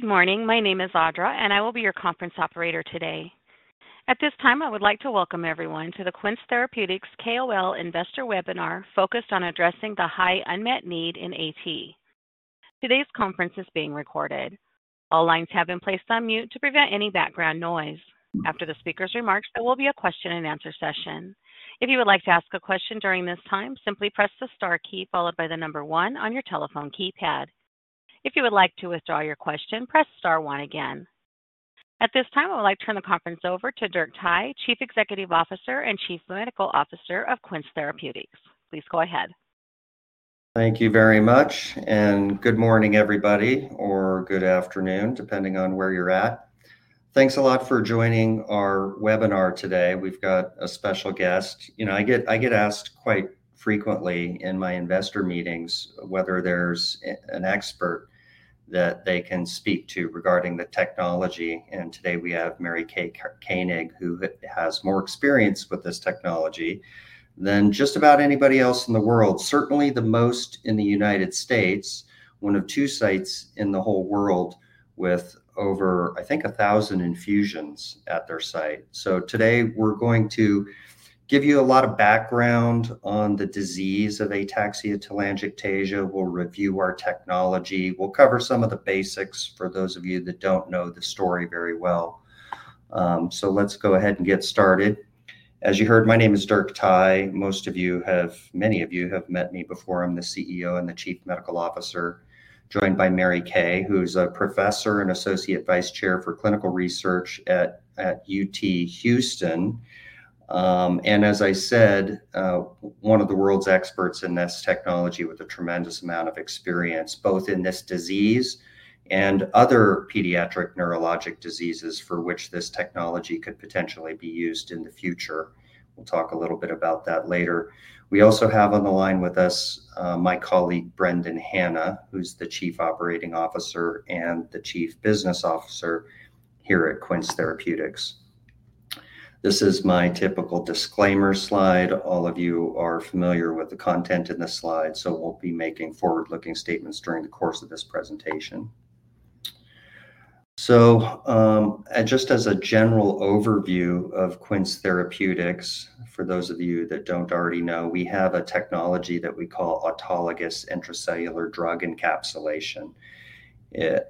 Good morning. My name is Audra, and I will be your conference operator today. At this time, I would like to welcome everyone to the Quince Therapeutics KOL Investor Webinar focused on addressing the high unmet need in AT. Today's conference is being recorded. All lines have been placed on mute to prevent any background noise. After the speaker's remarks, there will be a question-and-answer session. If you would like to ask a question during this time, simply press the star key followed by the number one on your telephone keypad. If you would like to withdraw your question, press star one again. At this time, I would like to turn the conference over to Dirk Thye, Chief Executive Officer and Chief Medical Officer of Quince Therapeutics. Please go ahead. Thank you very much, and good morning, everybody, or good afternoon, depending on where you're at. Thanks a lot for joining our webinar today. We've got a special guest. I get asked quite frequently in my investor meetings whether there's an expert that they can speak to regarding the technology. Today we have Mary Kay Koenig, who has more experience with this technology than just about anybody else in the world, certainly the most in the United States, one of two sites in the whole world with over, I think, 1,000 infusions at their site. Today we're going to give you a lot of background on the disease of ataxia telangiectasia. We'll review our technology. We'll cover some of the basics for those of you that don't know the story very well. Let's go ahead and get started. As you heard, my name is Dirk Thye. Most of you have—many of you have met me before. I'm the CEO and the Chief Medical Officer, joined by Mary Kay, who's a Professor and Associate Vice Chair for Clinical Research at UT Houston. As I said, one of the world's experts in this technology with a tremendous amount of experience, both in this disease and other pediatric neurologic diseases for which this technology could potentially be used in the future. We'll talk a little bit about that later. We also have on the line with us my colleague, Brendan Hannah, who's the Chief Operating Officer and the Chief Business Officer here at Quince Therapeutics. This is my typical disclaimer slide. All of you are familiar with the content in the slides, so we'll be making forward-looking statements during the course of this presentation. Just as a general overview of Quince Therapeutics, for those of you that don't already know, we have a technology that we call autologous intracellular drug encapsulation.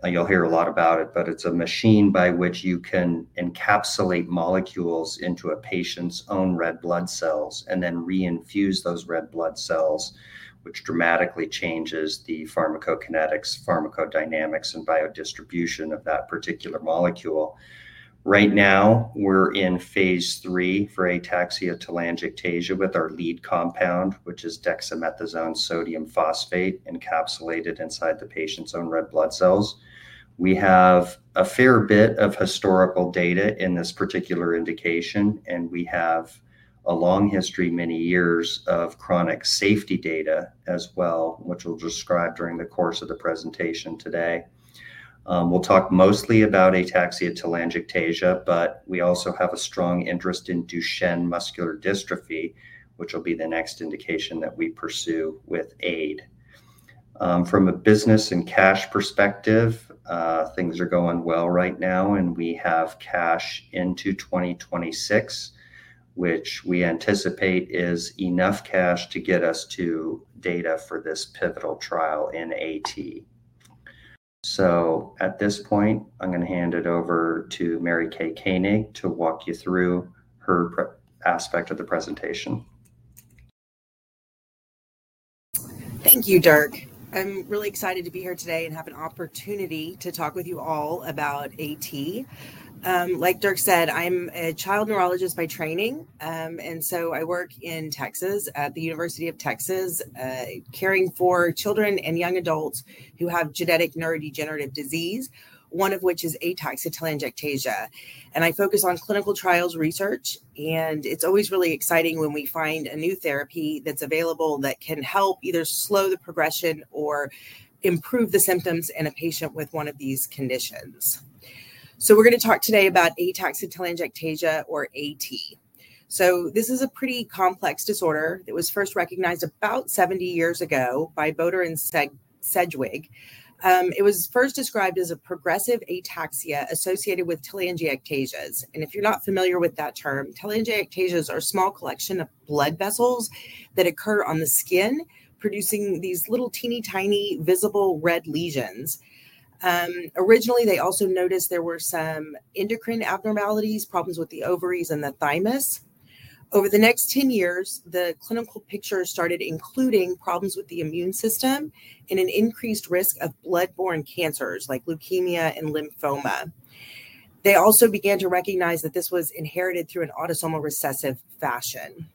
You'll hear a lot about it, but it's a machine by which you can encapsulate molecules into a patient's own red blood cells and then re-infuse those red blood cells, which dramatically changes the pharmacokinetics, pharmacodynamics, and biodistribution of that particular molecule. Right now, we're in phase three for ataxia telangiectasia with our lead compound, which is dexamethasone sodium phosphate, encapsulated inside the patient's own red blood cells. We have a fair bit of historical data in this particular indication, and we have a long history, many years of chronic safety data as well, which we'll describe during the course of the presentation today. We'll talk mostly about ataxia telangiectasia, but we also have a strong interest in Duchenne muscular dystrophy, which will be the next indication that we pursue with AID. From a business and cash perspective, things are going well right now, and we have cash into 2026, which we anticipate is enough cash to get us to data for this pivotal trial in AT. At this point, I'm going to hand it over to Mary Kay Koenig to walk you through her aspect of the presentation. Thank you, Dirk. I'm really excited to be here today and have an opportunity to talk with you all about AT. Like Dirk said, I'm a child neurologist by training, and I work in Texas at the University of Texas, caring for children and young adults who have genetic neurodegenerative disease, one of which is ataxia telangiectasia. I focus on clinical trials research, and it's always really exciting when we find a new therapy that's available that can help either slow the progression or improve the symptoms in a patient with one of these conditions. We're going to talk today about ataxia telangiectasia, or AT. This is a pretty complex disorder. It was first recognized about 70 years ago by Bodor and Sedgwick. It was first described as a progressive ataxia associated with telangiectasias. If you're not familiar with that term, telangiectasias are a small collection of blood vessels that occur on the skin, producing these little teeny-tiny visible red lesions. Originally, they also noticed there were some endocrine abnormalities, problems with the ovaries and the thymus. Over the next 10 years, the clinical picture started including problems with the immune system and an increased risk of blood-borne cancers like leukemia and lymphoma. They also began to recognize that this was inherited through an autosomal recessive fashion.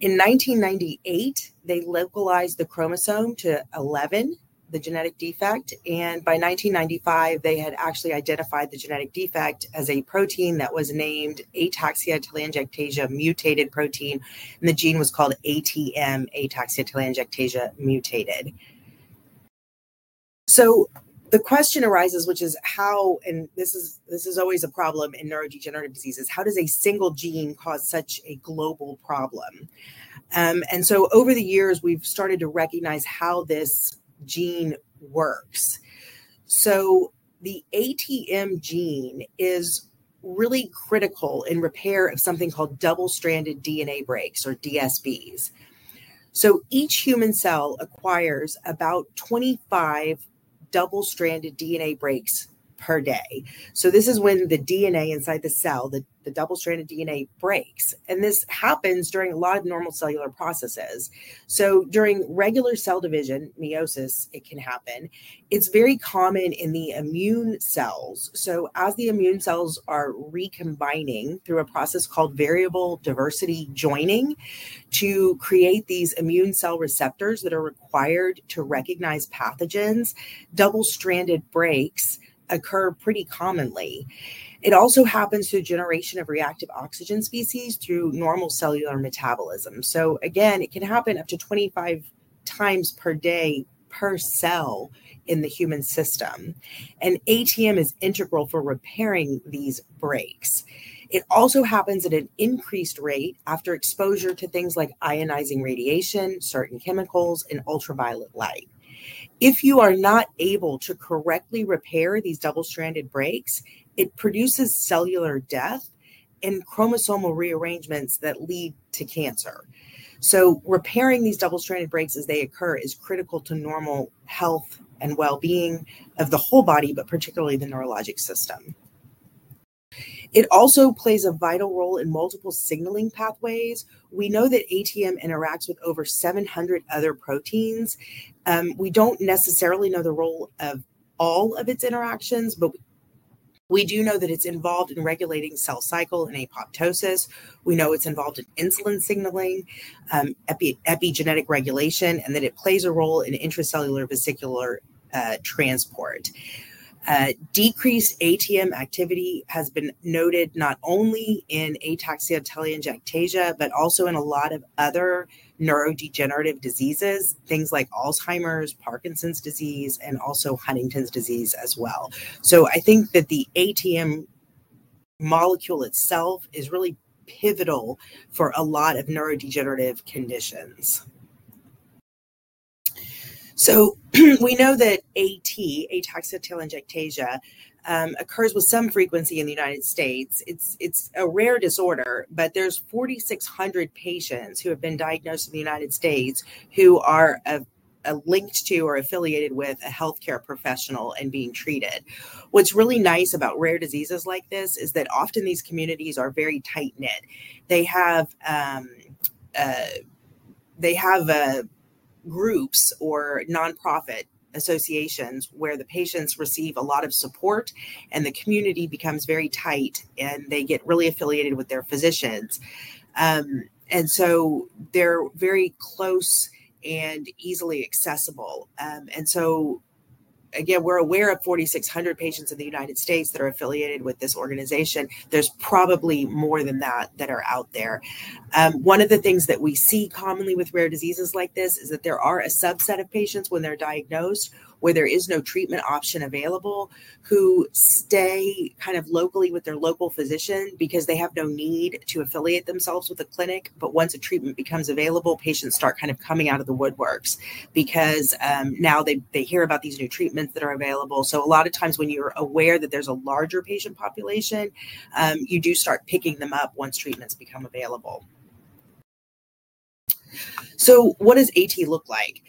In 1998, they localized the chromosome to 11, the genetic defect, and by 1995, they had actually identified the genetic defect as a protein that was named ataxia telangiectasia mutated protein, and the gene was called ATM, ataxia telangiectasia mutated. The question arises, which is how—and this is always a problem in neurodegenerative diseases—how does a single gene cause such a global problem? Over the years, we've started to recognize how this gene works. The ATM gene is really critical in repair of something called double-stranded DNA breaks, or DSBs. Each human cell acquires about 25 double-stranded DNA breaks per day. This is when the DNA inside the cell, the double-stranded DNA, breaks. This happens during a lot of normal cellular processes. During regular cell division, meiosis, it can happen. It's very common in the immune cells. As the immune cells are recombining through a process called variable diversity joining to create these immune cell receptors that are required to recognize pathogens, double-stranded breaks occur pretty commonly. It also happens through generation of reactive oxygen species through normal cellular metabolism. It can happen up to 25 times per day per cell in the human system. ATM is integral for repairing these breaks. It also happens at an increased rate after exposure to things like ionizing radiation, certain chemicals, and ultraviolet light. If you are not able to correctly repair these double-stranded breaks, it produces cellular death and chromosomal rearrangements that lead to cancer. Repairing these double-stranded breaks as they occur is critical to normal health and well-being of the whole body, but particularly the neurologic system. It also plays a vital role in multiple signaling pathways. We know that ATM interacts with over 700 other proteins. We do not necessarily know the role of all of its interactions, but we do know that it is involved in regulating cell cycle and apoptosis. We know it is involved in insulin signaling, epigenetic regulation, and that it plays a role in intracellular vesicular transport. Decreased ATM activity has been noted not only in ataxia telangiectasia, but also in a lot of other neurodegenerative diseases, things like Alzheimer's, Parkinson's disease, and also Huntington's disease as well. I think that the ATM molecule itself is really pivotal for a lot of neurodegenerative conditions. We know that AT, ataxia telangiectasia, occurs with some frequency in the United States. It's a rare disorder, but there are 4,600 patients who have been diagnosed in the United States who are linked to or affiliated with a healthcare professional and being treated. What's really nice about rare diseases like this is that often these communities are very tight-knit. They have groups or nonprofit associations where the patients receive a lot of support, and the community becomes very tight, and they get really affiliated with their physicians. They are very close and easily accessible. We're aware of 4,600 patients in the United States that are affiliated with this organization. There's probably more than that that are out there. One of the things that we see commonly with rare diseases like this is that there are a subset of patients when they're diagnosed where there is no treatment option available who stay kind of locally with their local physician because they have no need to affiliate themselves with a clinic. Once a treatment becomes available, patients start kind of coming out of the woodworks because now they hear about these new treatments that are available. A lot of times when you're aware that there's a larger patient population, you do start picking them up once treatments become available. What does AT look like?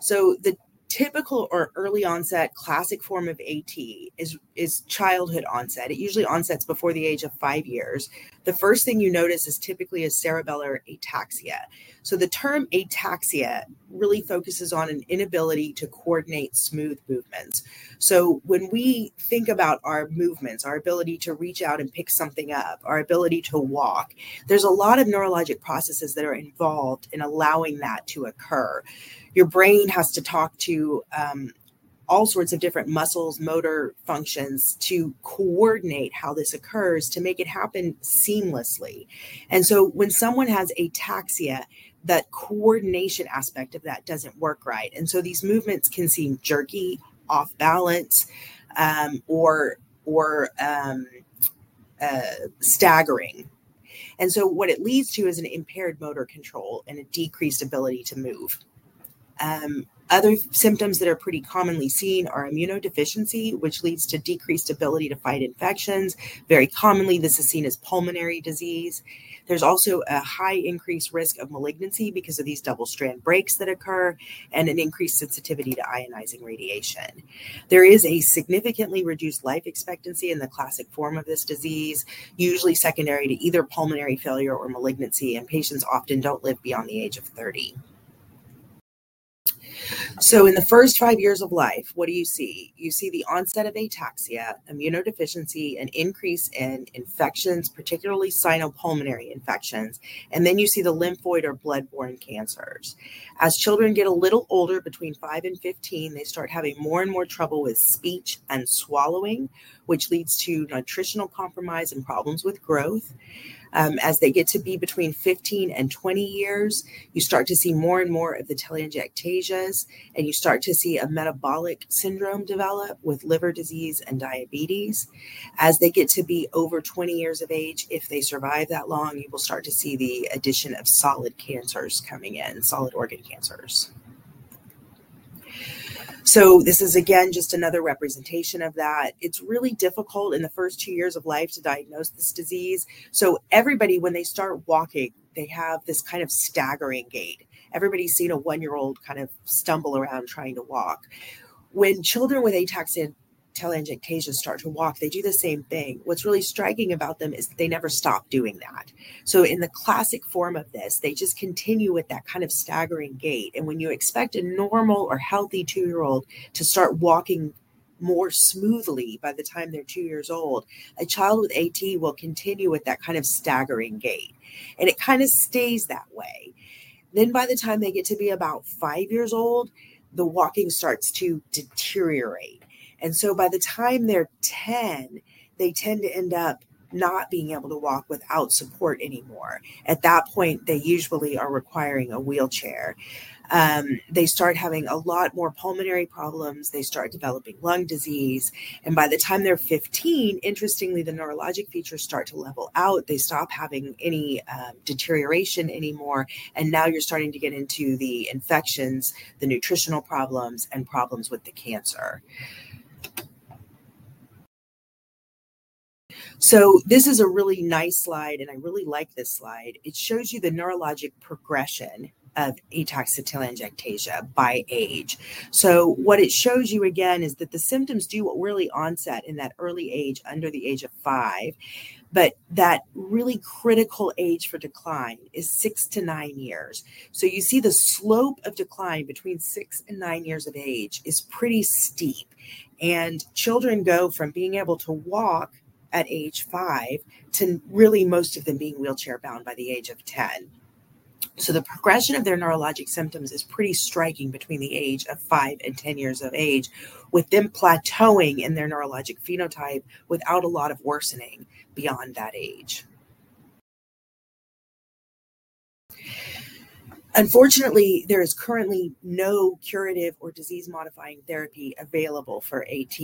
The typical or early onset classic form of AT is childhood onset. It usually onsets before the age of five years. The first thing you notice is typically a cerebellar ataxia. The term ataxia really focuses on an inability to coordinate smooth movements. When we think about our movements, our ability to reach out and pick something up, our ability to walk, there's a lot of neurologic processes that are involved in allowing that to occur. Your brain has to talk to all sorts of different muscles and motor functions to coordinate how this occurs to make it happen seamlessly. When someone has ataxia, that coordination aspect of that doesn't work right. These movements can seem jerky, off-balance, or staggering. What it leads to is an impaired motor control and a decreased ability to move. Other symptoms that are pretty commonly seen are immunodeficiency, which leads to decreased ability to fight infections. Very commonly, this is seen as pulmonary disease. There's also a high increased risk of malignancy because of these double-strand breaks that occur and an increased sensitivity to ionizing radiation. There is a significantly reduced life expectancy in the classic form of this disease, usually secondary to either pulmonary failure or malignancy, and patients often don't live beyond the age of 30. In the first five years of life, what do you see? You see the onset of ataxia, immunodeficiency, an increase in infections, particularly sinopulmonary infections, and then you see the lymphoid or blood-borne cancers. As children get a little older, between 5 and 15, they start having more and more trouble with speech and swallowing, which leads to nutritional compromise and problems with growth. As they get to be between 15 and 20 years, you start to see more and more of the telangiectasias, and you start to see a metabolic syndrome develop with liver disease and diabetes. As they get to be over 20 years of age, if they survive that long, you will start to see the addition of solid cancers coming in, solid organ cancers. This is, again, just another representation of that. It's really difficult in the first two years of life to diagnose this disease. Everybody, when they start walking, they have this kind of staggering gait. Everybody's seen a one-year-old kind of stumble around trying to walk. When children with ataxia telangiectasia start to walk, they do the same thing. What's really striking about them is they never stop doing that. In the classic form of this, they just continue with that kind of staggering gait. When you expect a normal or healthy two-year-old to start walking more smoothly by the time they're two years old, a child with AT will continue with that kind of staggering gait. It kind of stays that way. By the time they get to be about five years old, the walking starts to deteriorate. By the time they're 10, they tend to end up not being able to walk without support anymore. At that point, they usually are requiring a wheelchair. They start having a lot more pulmonary problems. They start developing lung disease. By the time they're 15, interestingly, the neurologic features start to level out. They stop having any deterioration anymore. You are starting to get into the infections, the nutritional problems, and problems with the cancer. This is a really nice slide, and I really like this slide. It shows you the neurologic progression of ataxia telangiectasia by age. What it shows you, again, is that the symptoms do really onset in that early age, under the age of five. That really critical age for decline is six to nine years. You see the slope of decline between six and nine years of age is pretty steep. Children go from being able to walk at age five to really most of them being wheelchair-bound by the age of 10. The progression of their neurologic symptoms is pretty striking between the age of five and 10 years of age, with them plateauing in their neurologic phenotype without a lot of worsening beyond that age. Unfortunately, there is currently no curative or disease-modifying therapy available for AT.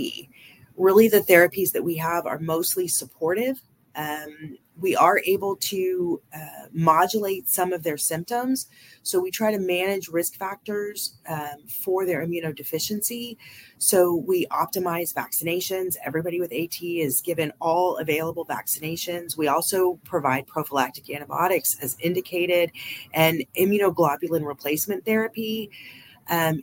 Really, the therapies that we have are mostly supportive. We are able to modulate some of their symptoms. We try to manage risk factors for their immunodeficiency. We optimize vaccinations. Everybody with AT is given all available vaccinations. We also provide prophylactic antibiotics as indicated, and immunoglobulin replacement therapy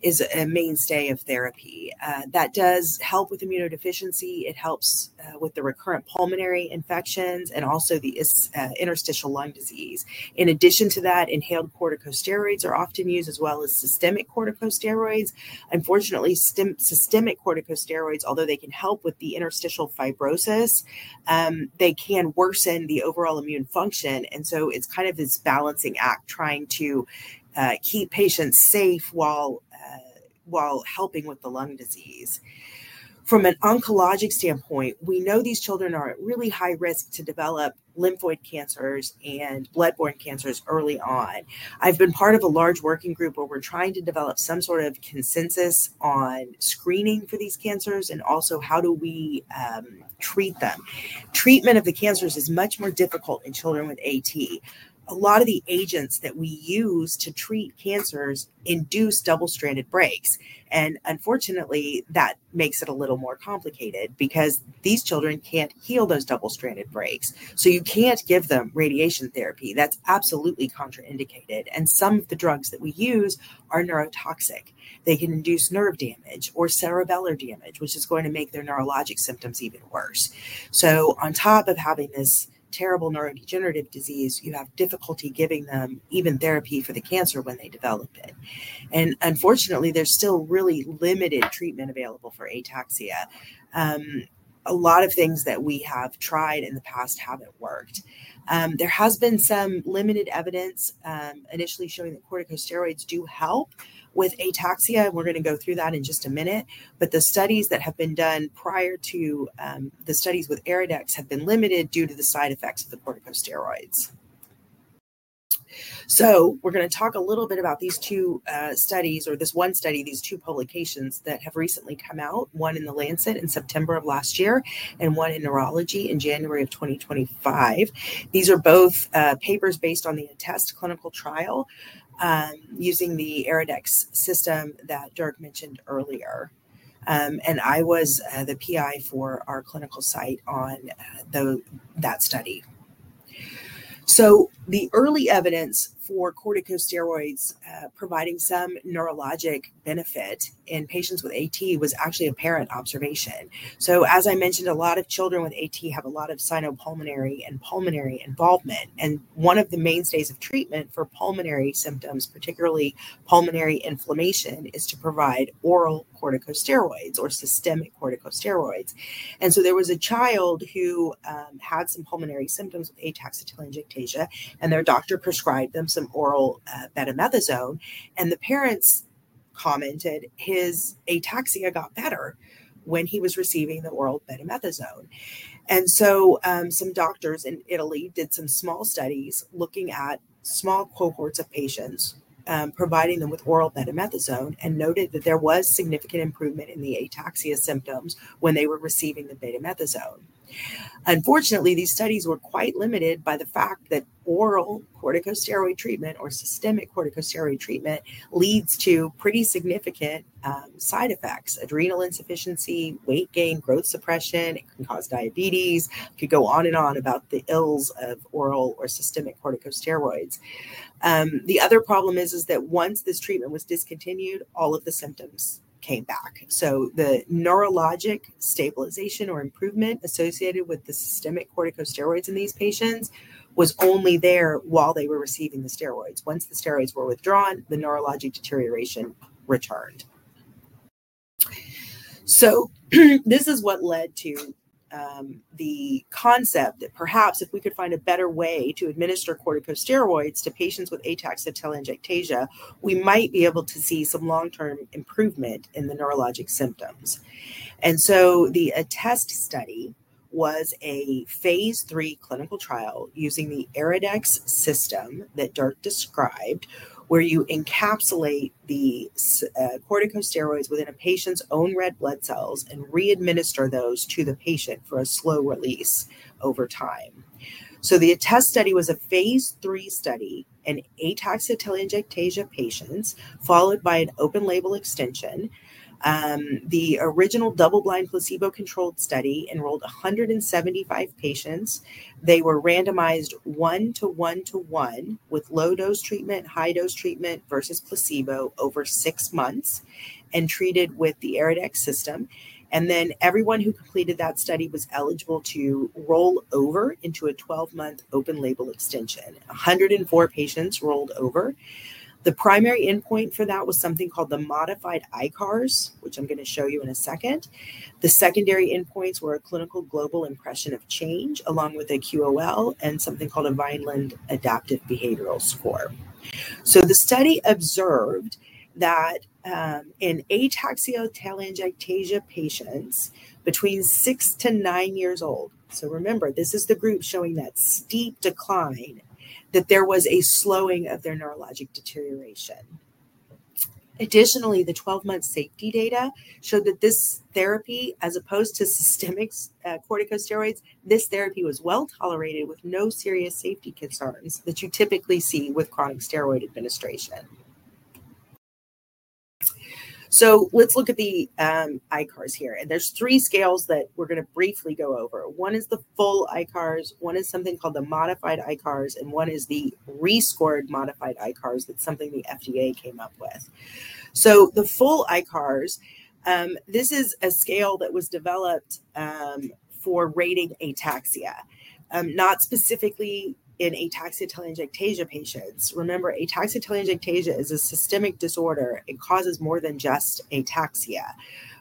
is a mainstay of therapy. That does help with immunodeficiency. It helps with the recurrent pulmonary infections and also the interstitial lung disease. In addition to that, inhaled corticosteroids are often used as well as systemic corticosteroids. Unfortunately, systemic corticosteroids, although they can help with the interstitial fibrosis, can worsen the overall immune function. It is kind of this balancing act trying to keep patients safe while helping with the lung disease. From an oncologic standpoint, we know these children are at really high risk to develop lymphoid cancers and blood-borne cancers early on. I've been part of a large working group where we're trying to develop some sort of consensus on screening for these cancers and also how do we treat them. Treatment of the cancers is much more difficult in children with AT. A lot of the agents that we use to treat cancers induce double-stranded breaks. Unfortunately, that makes it a little more complicated because these children can't heal those double-stranded breaks. You can't give them radiation therapy. That's absolutely contraindicated. Some of the drugs that we use are neurotoxic. They can induce nerve damage or cerebellar damage, which is going to make their neurologic symptoms even worse. On top of having this terrible neurodegenerative disease, you have difficulty giving them even therapy for the cancer when they develop it. Unfortunately, there's still really limited treatment available for ataxia. A lot of things that we have tried in the past haven't worked. There has been some limited evidence initially showing that corticosteroids do help with ataxia. We're going to go through that in just a minute. The studies that have been done prior to the studies with EryDex have been limited due to the side effects of the corticosteroids. We're going to talk a little bit about these two studies or this one study, these two publications that have recently come out, one in The Lancet in September of last year and one in Neurology in January of 2025. These are both papers based on the ATHEST clinical trial using the Auradex system that Dirk mentioned earlier. I was the PI for our clinical site on that study. The early evidence for corticosteroids providing some neurologic benefit in patients with AT was actually apparent observation. As I mentioned, a lot of children with AT have a lot of sinopulmonary and pulmonary involvement. One of the mainstays of treatment for pulmonary symptoms, particularly pulmonary inflammation, is to provide oral corticosteroids or systemic corticosteroids. There was a child who had some pulmonary symptoms with ataxia telangiectasia, and their doctor prescribed them some oral betamethasone. The parents commented his ataxia got better when he was receiving the oral betamethasone. Some doctors in Italy did some small studies looking at small cohorts of patients, providing them with oral betamethasone, and noted that there was significant improvement in the ataxia symptoms when they were receiving the betamethasone. Unfortunately, these studies were quite limited by the fact that oral corticosteroid treatment or systemic corticosteroid treatment leads to pretty significant side effects: adrenal insufficiency, weight gain, growth suppression, it can cause diabetes, could go on and on about the ills of oral or systemic corticosteroids. The other problem is that once this treatment was discontinued, all of the symptoms came back. The neurologic stabilization or improvement associated with the systemic corticosteroids in these patients was only there while they were receiving the steroids. Once the steroids were withdrawn, the neurologic deterioration returned. This is what led to the concept that perhaps if we could find a better way to administer corticosteroids to patients with ataxia telangiectasia, we might be able to see some long-term improvement in the neurologic symptoms. The ATHEST study was a phase three clinical trial using the EryDex system that Dirk described, where you encapsulate the corticosteroids within a patient's own red blood cells and readminister those to the patient for a slow release over time. The ATHEST study was a phase three study in ataxia telangiectasia patients followed by an open-label extension. The original double-blind placebo-controlled study enrolled 175 patients. They were randomized one-to-one-to-one with low-dose treatment, high-dose treatment versus placebo over six months and treated with the EryDex system. Everyone who completed that study was eligible to roll over into a 12-month open-label extension. 104 patients rolled over. The primary endpoint for that was something called the modified ICARS, which I'm going to show you in a second. The secondary endpoints were a clinical global impression of change along with a QOL and something called a Vineland Adaptive Behavioral Score. The study observed that in ataxia telangiectasia patients between six to nine years old, so remember, this is the group showing that steep decline, that there was a slowing of their neurologic deterioration. Additionally, the 12-month safety data showed that this therapy, as opposed to systemic corticosteroids, this therapy was well tolerated with no serious safety concerns that you typically see with chronic steroid administration. Let's look at the ICARS here. There are three scales that we're going to briefly go over. One is the full ICARS, one is something called the modified ICARS, and one is the rescored modified ICARS. That's something the FDA came up with. The full ICARS, this is a scale that was developed for rating ataxia, not specifically in ataxia telangiectasia patients. Remember, ataxia telangiectasia is a systemic disorder. It causes more than just ataxia.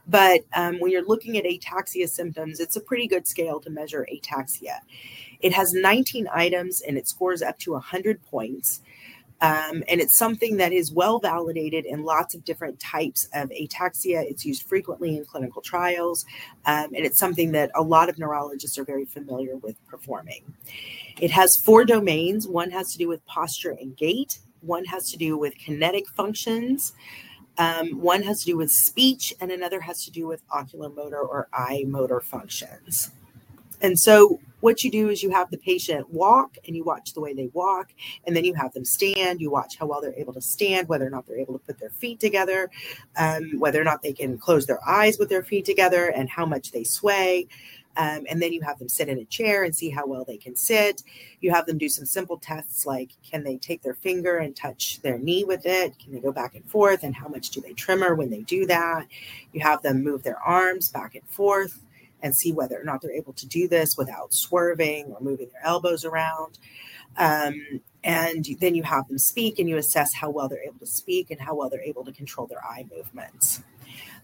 When you're looking at ataxia symptoms, it's a pretty good scale to measure ataxia. It has 19 items, and it scores up to 100 points. It's something that is well validated in lots of different types of ataxia. It's used frequently in clinical trials, and it's something that a lot of neurologists are very familiar with performing. It has four domains. One has to do with posture and gait. One has to do with kinetic functions. One has to do with speech, and another has to do with oculomotor or eye motor functions. What you do is you have the patient walk, and you watch the way they walk, and then you have them stand. You watch how well they're able to stand, whether or not they're able to put their feet together, whether or not they can close their eyes with their feet together, and how much they sway. You have them sit in a chair and see how well they can sit. You have them do some simple tests like, can they take their finger and touch their knee with it? Can they go back and forth? And how much do they tremor when they do that? You have them move their arms back and forth and see whether or not they're able to do this without swerving or moving their elbows around. You have them speak, and you assess how well they're able to speak and how well they're able to control their eye movements.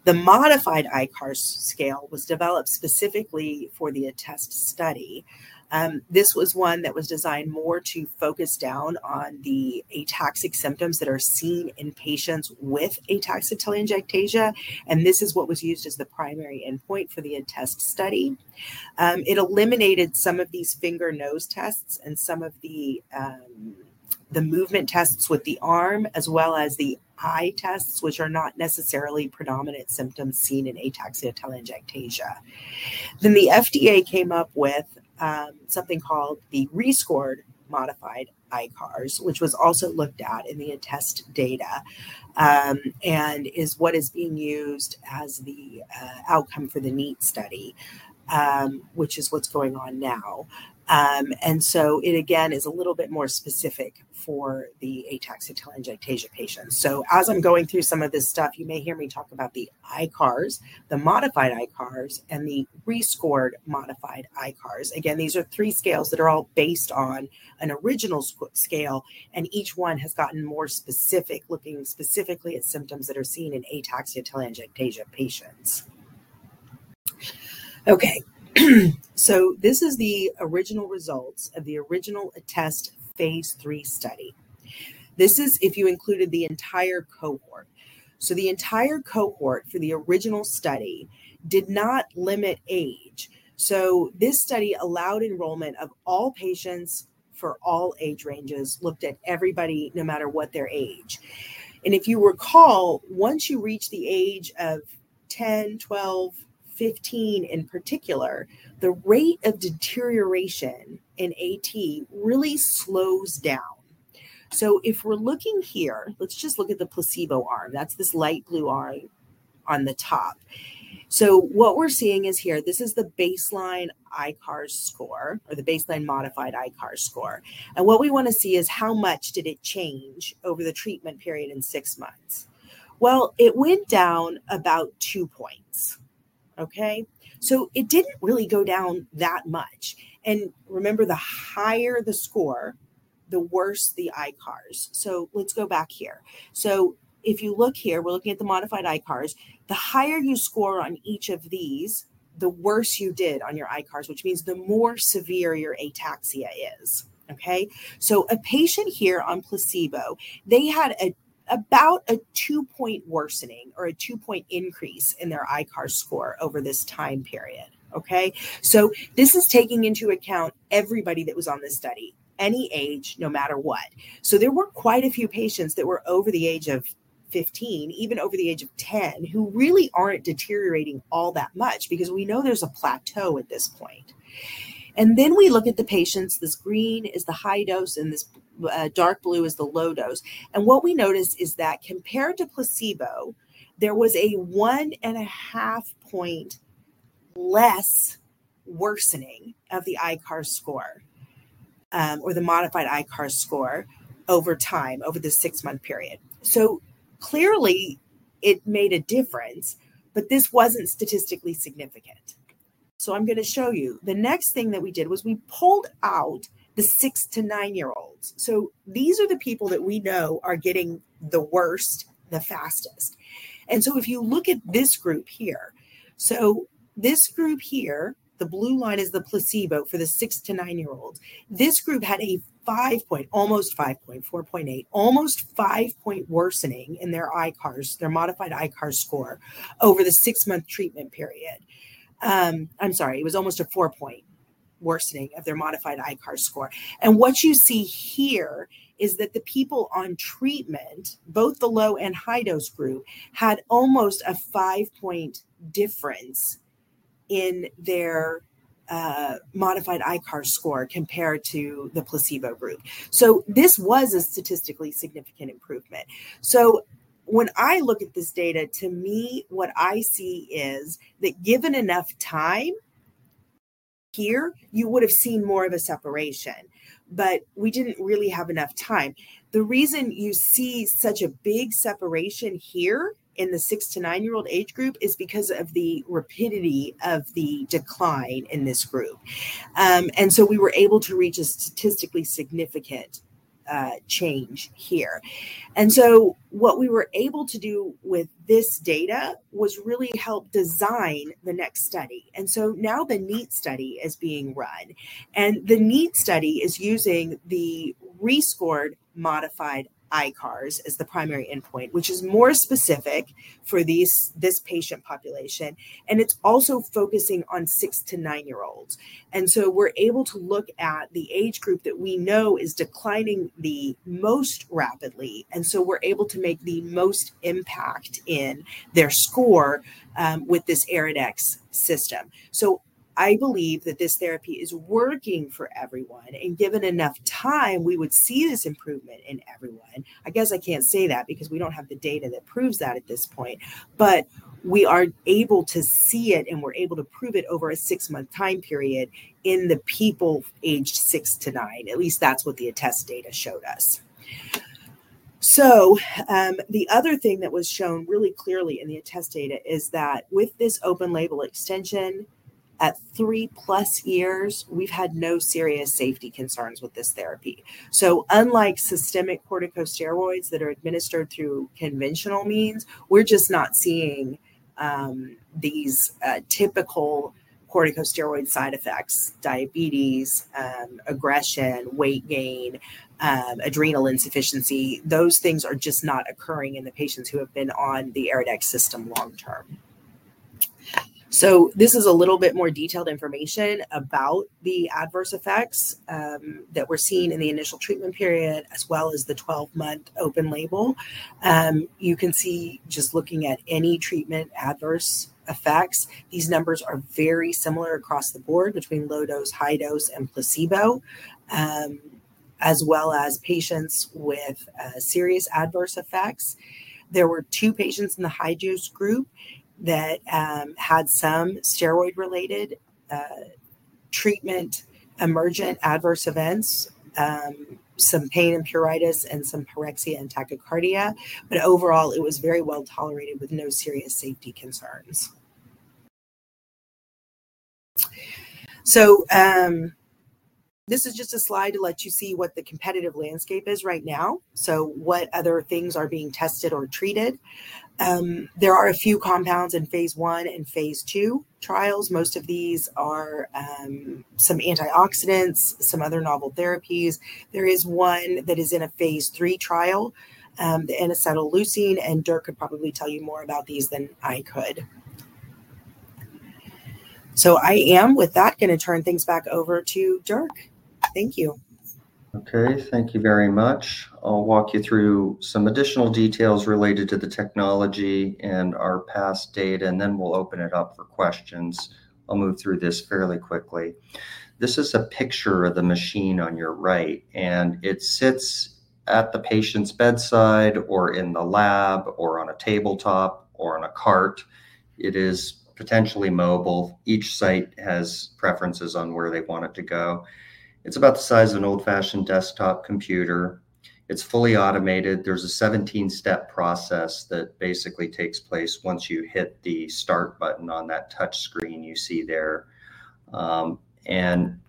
The modified ICARS scale was developed specifically for the ATHEST study. This was one that was designed more to focus down on the ataxic symptoms that are seen in patients with ataxia telangiectasia. This is what was used as the primary endpoint for the ATHEST study. It eliminated some of these finger-nose tests and some of the movement tests with the arm, as well as the eye tests, which are not necessarily predominant symptoms seen in ataxia telangiectasia. The FDA came up with something called the rescored modified ICARS, which was also looked at in the ATHEST data and is what is being used as the outcome for the NEAT study, which is what's going on now. It is a little bit more specific for the ataxia telangiectasia patients. As I'm going through some of this stuff, you may hear me talk about the ICARS, the modified ICARS, and the rescored modified ICARS. These are three scales that are all based on an original scale, and each one has gotten more specific, looking specifically at symptoms that are seen in ataxia telangiectasia patients. This is the original results of the original ATHEST phase three study. This is if you included the entire cohort. The entire cohort for the original study did not limit age. This study allowed enrollment of all patients for all age ranges, looked at everybody no matter what their age. If you recall, once you reach the age of 10, 12, 15 in particular, the rate of deterioration in AT really slows down. If we're looking here, let's just look at the placebo arm. That's this light blue arm on the top. What we're seeing is here, this is the baseline ICARS score or the baseline modified ICARS score. What we want to see is how much did it change over the treatment period in six months? It went down about two points. Okay? It didn't really go down that much. Remember, the higher the score, the worse the ICARS. Let's go back here. If you look here, we're looking at the modified ICARS. The higher you score on each of these, the worse you did on your ICARS, which means the more severe your ataxia is. Okay? A patient here on placebo, they had about a two-point worsening or a two-point increase in their ICARS score over this time period. Okay? This is taking into account everybody that was on this study, any age, no matter what. There were quite a few patients that were over the age of 15, even over the age of 10, who really aren't deteriorating all that much because we know there's a plateau at this point. We look at the patients. This green is the high dose, and this dark blue is the low dose. What we noticed is that compared to placebo, there was a one and a half point less worsening of the ICARS score or the modified ICARS score over time over the six-month period. Clearly, it made a difference, but this wasn't statistically significant. I'm going to show you. The next thing that we did was we pulled out the six to nine-year-olds. These are the people that we know are getting the worst the fastest. If you look at this group here, the blue line is the placebo for the six to nine-year-olds. This group had a five-point, almost five-point, 4.8, almost five-point worsening in their ICARS, their modified ICARS score over the six-month treatment period. I'm sorry, it was almost a four-point worsening of their modified ICARS score. What you see here is that the people on treatment, both the low and high-dose group, had almost a five-point difference in their modified ICARS score compared to the placebo group. This was a statistically significant improvement. When I look at this data, to me, what I see is that given enough time here, you would have seen more of a separation. We did not really have enough time. The reason you see such a big separation here in the six to nine-year-old age group is because of the rapidity of the decline in this group. We were able to reach a statistically significant change here. What we were able to do with this data was really help design the next study. Now the NEAT study is being run. The NEAT study is using the rescored modified ICARS as the primary endpoint, which is more specific for this patient population. It is also focusing on six to nine-year-olds. We are able to look at the age group that we know is declining the most rapidly. We are able to make the most impact in their score with this Auradex system. I believe that this therapy is working for everyone. Given enough time, we would see this improvement in everyone. I guess I can't say that because we don't have the data that proves that at this point. We are able to see it, and we're able to prove it over a six-month time period in the people aged six to nine. At least that's what the ATHEST data showed us. The other thing that was shown really clearly in the ATHEST data is that with this open-label extension at three-plus years, we've had no serious safety concerns with this therapy. Unlike systemic corticosteroids that are administered through conventional means, we're just not seeing these typical corticosteroid side effects: diabetes, aggression, weight gain, adrenal insufficiency. Those things are just not occurring in the patients who have been on the EryDex system long-term. This is a little bit more detailed information about the adverse effects that we're seeing in the initial treatment period as well as the 12-month open label. You can see just looking at any treatment adverse effects, these numbers are very similar across the board between low dose, high dose, and placebo, as well as patients with serious adverse effects. There were two patients in the high-dose group that had some steroid-related treatment emergent adverse events, some pain and pruritus, and some pyrexia and tachycardia. Overall, it was very well tolerated with no serious safety concerns. This is just a slide to let you see what the competitive landscape is right now, so what other things are being tested or treated. There are a few compounds in phase one and phase two trials. Most of these are some antioxidants, some other novel therapies. There is one that is in a phase three trial, the N-acetylleucine, and Dirk could probably tell you more about these than I could. I am, with that, going to turn things back over to Dirk. Thank you. Okay. Thank you very much. I'll walk you through some additional details related to the technology and our past data, and then we'll open it up for questions. I'll move through this fairly quickly. This is a picture of the machine on your right, and it sits at the patient's bedside or in the lab or on a tabletop or on a cart. It is potentially mobile. Each site has preferences on where they want it to go. It's about the size of an old-fashioned desktop computer. It's fully automated. There's a 17-step process that basically takes place once you hit the start button on that touchscreen you see there.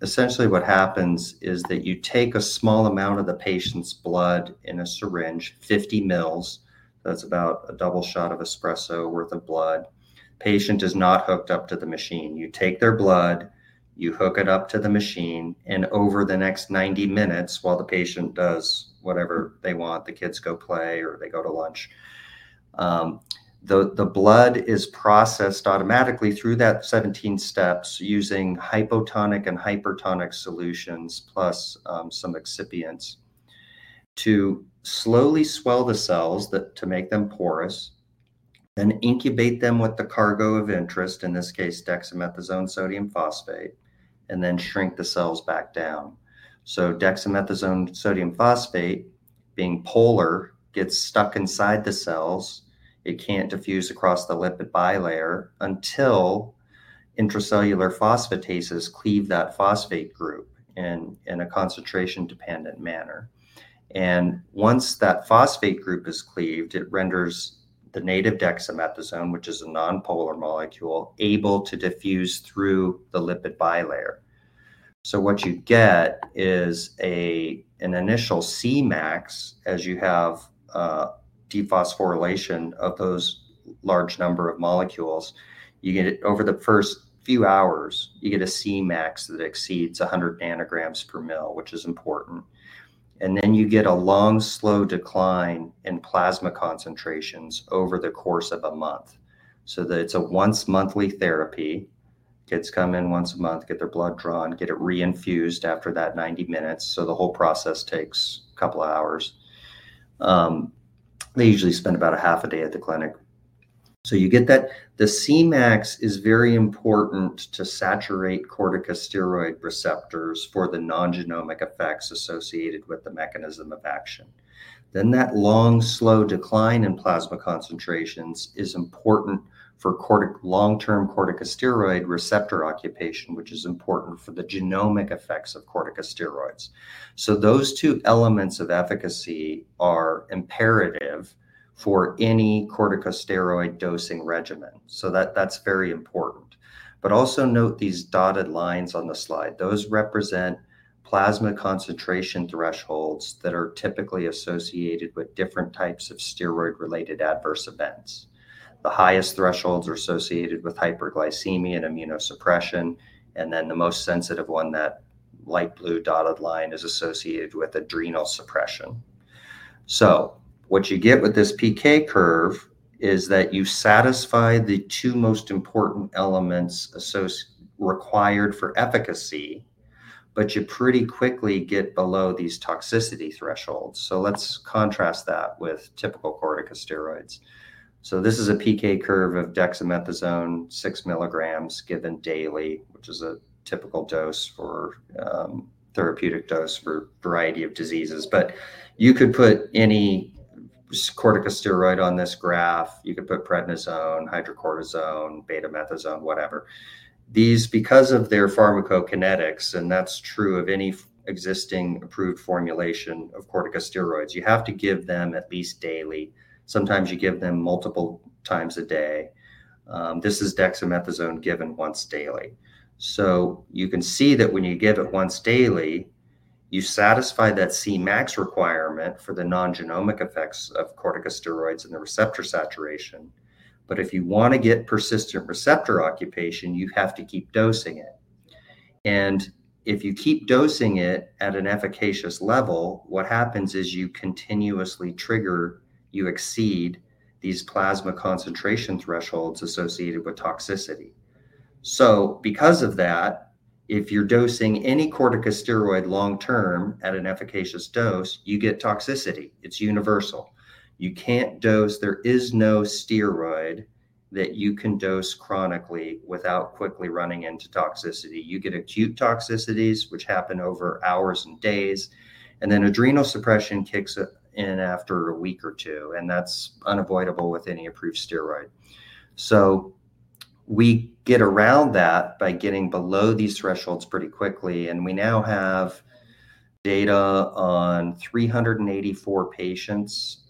Essentially, what happens is that you take a small amount of the patient's blood in a syringe, 50 mL. That's about a double shot of espresso worth of blood. The patient is not hooked up to the machine. You take their blood, you hook it up to the machine, and over the next 90 minutes, while the patient does whatever they want, the kids go play or they go to lunch, the blood is processed automatically through that 17 steps using hypotonic and hypertonic solutions plus some excipients to slowly swell the cells to make them porous, then incubate them with the cargo of interest, in this case, dexamethasone sodium phosphate, and then shrink the cells back down. Dexamethasone sodium phosphate, being polar, gets stuck inside the cells. It can't diffuse across the lipid bilayer until intracellular phosphatases cleave that phosphate group in a concentration-dependent manner. Once that phosphate group is cleaved, it renders the native dexamethasone, which is a nonpolar molecule, able to diffuse through the lipid bilayer. What you get is an initial Cmax as you have defosphorylation of those large number of molecules. Over the first few hours, you get a Cmax that exceeds 100 nanograms per mil, which is important. You get a long, slow decline in plasma concentrations over the course of a month. It is a once-monthly therapy. Kids come in once a month, get their blood drawn, get it reinfused after that 90 minutes. The whole process takes a couple of hours. They usually spend about a half a day at the clinic. You get that the Cmax is very important to saturate corticosteroid receptors for the non-genomic effects associated with the mechanism of action. That long, slow decline in plasma concentrations is important for long-term corticosteroid receptor occupation, which is important for the genomic effects of corticosteroids. Those two elements of efficacy are imperative for any corticosteroid dosing regimen. That is very important. Also note these dotted lines on the slide. Those represent plasma concentration thresholds that are typically associated with different types of steroid-related adverse events. The highest thresholds are associated with hyperglycemia and immunosuppression. The most sensitive one, that light blue dotted line, is associated with adrenal suppression. What you get with this PK curve is that you satisfy the two most important elements required for efficacy, but you pretty quickly get below these toxicity thresholds. Let's contrast that with typical corticosteroids. This is a PK curve of dexamethasone 6 milligrams given daily, which is a typical therapeutic dose for a variety of diseases. You could put any corticosteroid on this graph. You could put prednisone, hydrocortisone, betamethasone, whatever. These, because of their pharmacokinetics, and that's true of any existing approved formulation of corticosteroids, you have to give them at least daily. Sometimes you give them multiple times a day. This is dexamethasone given once daily. You can see that when you give it once daily, you satisfy that Cmax requirement for the non-genomic effects of corticosteroids and the receptor saturation. If you want to get persistent receptor occupation, you have to keep dosing it. If you keep dosing it at an efficacious level, what happens is you continuously trigger, you exceed these plasma concentration thresholds associated with toxicity. Because of that, if you're dosing any corticosteroid long-term at an efficacious dose, you get toxicity. It's universal. You can't dose; there is no steroid that you can dose chronically without quickly running into toxicity. You get acute toxicities, which happen over hours and days. Adrenal suppression kicks in after a week or two, and that's unavoidable with any approved steroid. We get around that by getting below these thresholds pretty quickly. We now have data on 384 patients,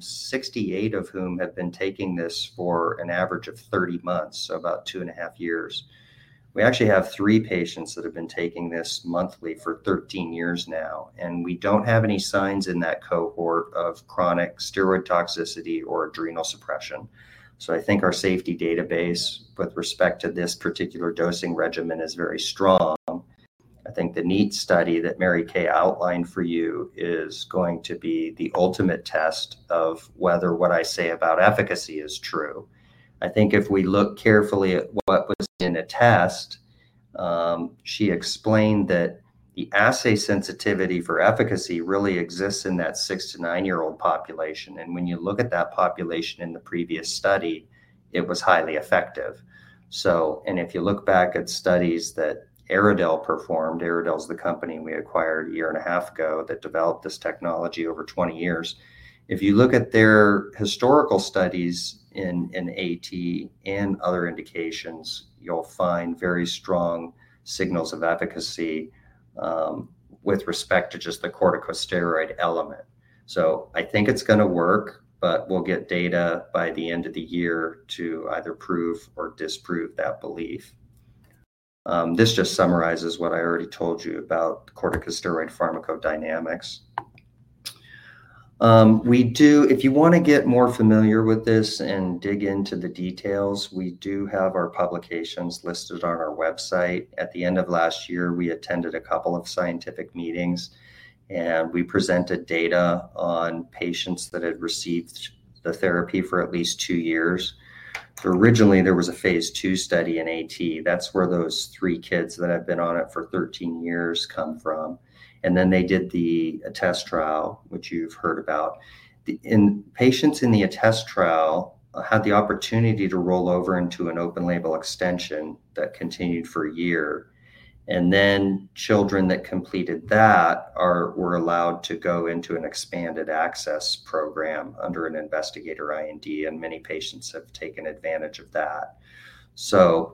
68 of whom have been taking this for an average of 30 months, so about two and a half years. We actually have three patients that have been taking this monthly for 13 years now. We do not have any signs in that cohort of chronic steroid toxicity or adrenal suppression. I think our safety database with respect to this particular dosing regimen is very strong. I think the NEAT study that Mary Kay outlined for you is going to be the ultimate test of whether what I say about efficacy is true. I think if we look carefully at what is in ATHEST, she explained that the assay sensitivity for efficacy really exists in that six to nine-year-old population. When you look at that population in the previous study, it was highly effective. If you look back at studies that Aridel performed—Aridel is the company we acquired a year and a half ago that developed this technology over 20 years. If you look at their historical studies in AT and other indications, you'll find very strong signals of efficacy with respect to just the corticosteroid element. I think it's going to work, but we'll get data by the end of the year to either prove or disprove that belief. This just summarizes what I already told you about corticosteroid pharmacodynamics. If you want to get more familiar with this and dig into the details, we do have our publications listed on our website. At the end of last year, we attended a couple of scientific meetings, and we presented data on patients that had received the therapy for at least two years. Originally, there was a phase two study in AT. That is where those three kids that have been on it for 13 years come from. They did the ATHEST trial, which you have heard about. Patients in the ATHEST trial had the opportunity to roll over into an open-label extension that continued for a year. Children that completed that were allowed to go into an expanded access program under an investigator IND, and many patients have taken advantage of that.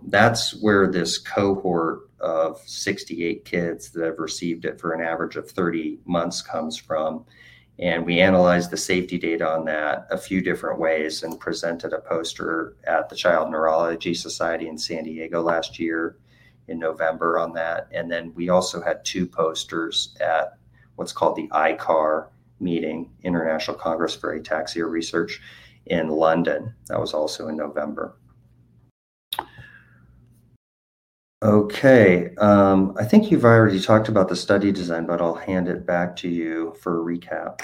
That is where this cohort of 68 kids that have received it for an average of 30 months comes from. We analyzed the safety data on that a few different ways and presented a poster at the Child Neurology Society in San Diego last year in November on that. We also had two posters at what is called the ICAR meeting, International Congress for Ataxia Research, in London. That was also in November. Okay. I think you have already talked about the study design, but I will hand it back to you for a recap.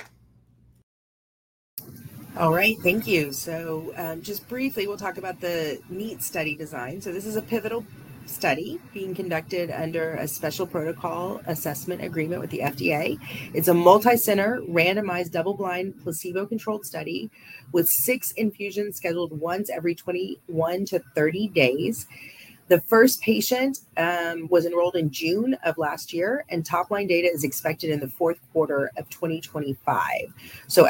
All right. Thank you. Just briefly, we'll talk about the NEAT study design. This is a pivotal study being conducted under a special protocol assessment agreement with the FDA. It's a multicenter, randomized, double-blind, placebo-controlled study with six infusions scheduled once every 21-30 days. The first patient was enrolled in June of last year, and top-line data is expected in the fourth quarter of 2025.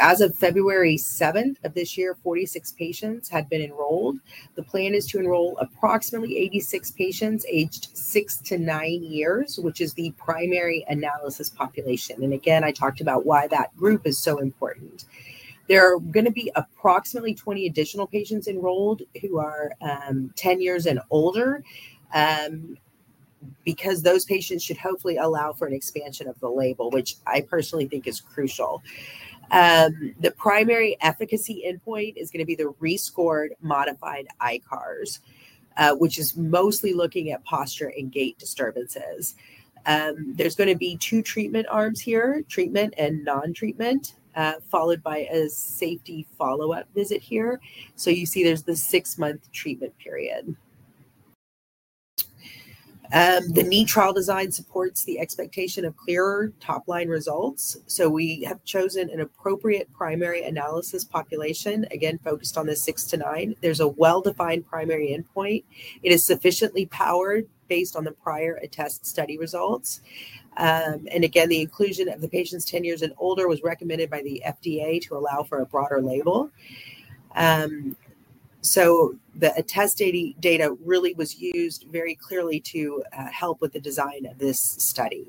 As of February 7th of this year, 46 patients had been enrolled. The plan is to enroll approximately 86 patients aged 6 to 9 years, which is the primary analysis population. Again, I talked about why that group is so important. There are going to be approximately 20 additional patients enrolled who are 10 years and older because those patients should hopefully allow for an expansion of the label, which I personally think is crucial. The primary efficacy endpoint is going to be the rescored modified ICARS, which is mostly looking at posture and gait disturbances. There are going to be two treatment arms here, treatment and non-treatment, followed by a safety follow-up visit here. You see there is the six-month treatment period. The NEAT trial design supports the expectation of clearer top-line results. We have chosen an appropriate primary analysis population, again, focused on the 6 to 9. There is a well-defined primary endpoint. It is sufficiently powered based on the prior ATHEST study results. The inclusion of the patients 10 years and older was recommended by the FDA to allow for a broader label. The ATHEST data really was used very clearly to help with the design of this study.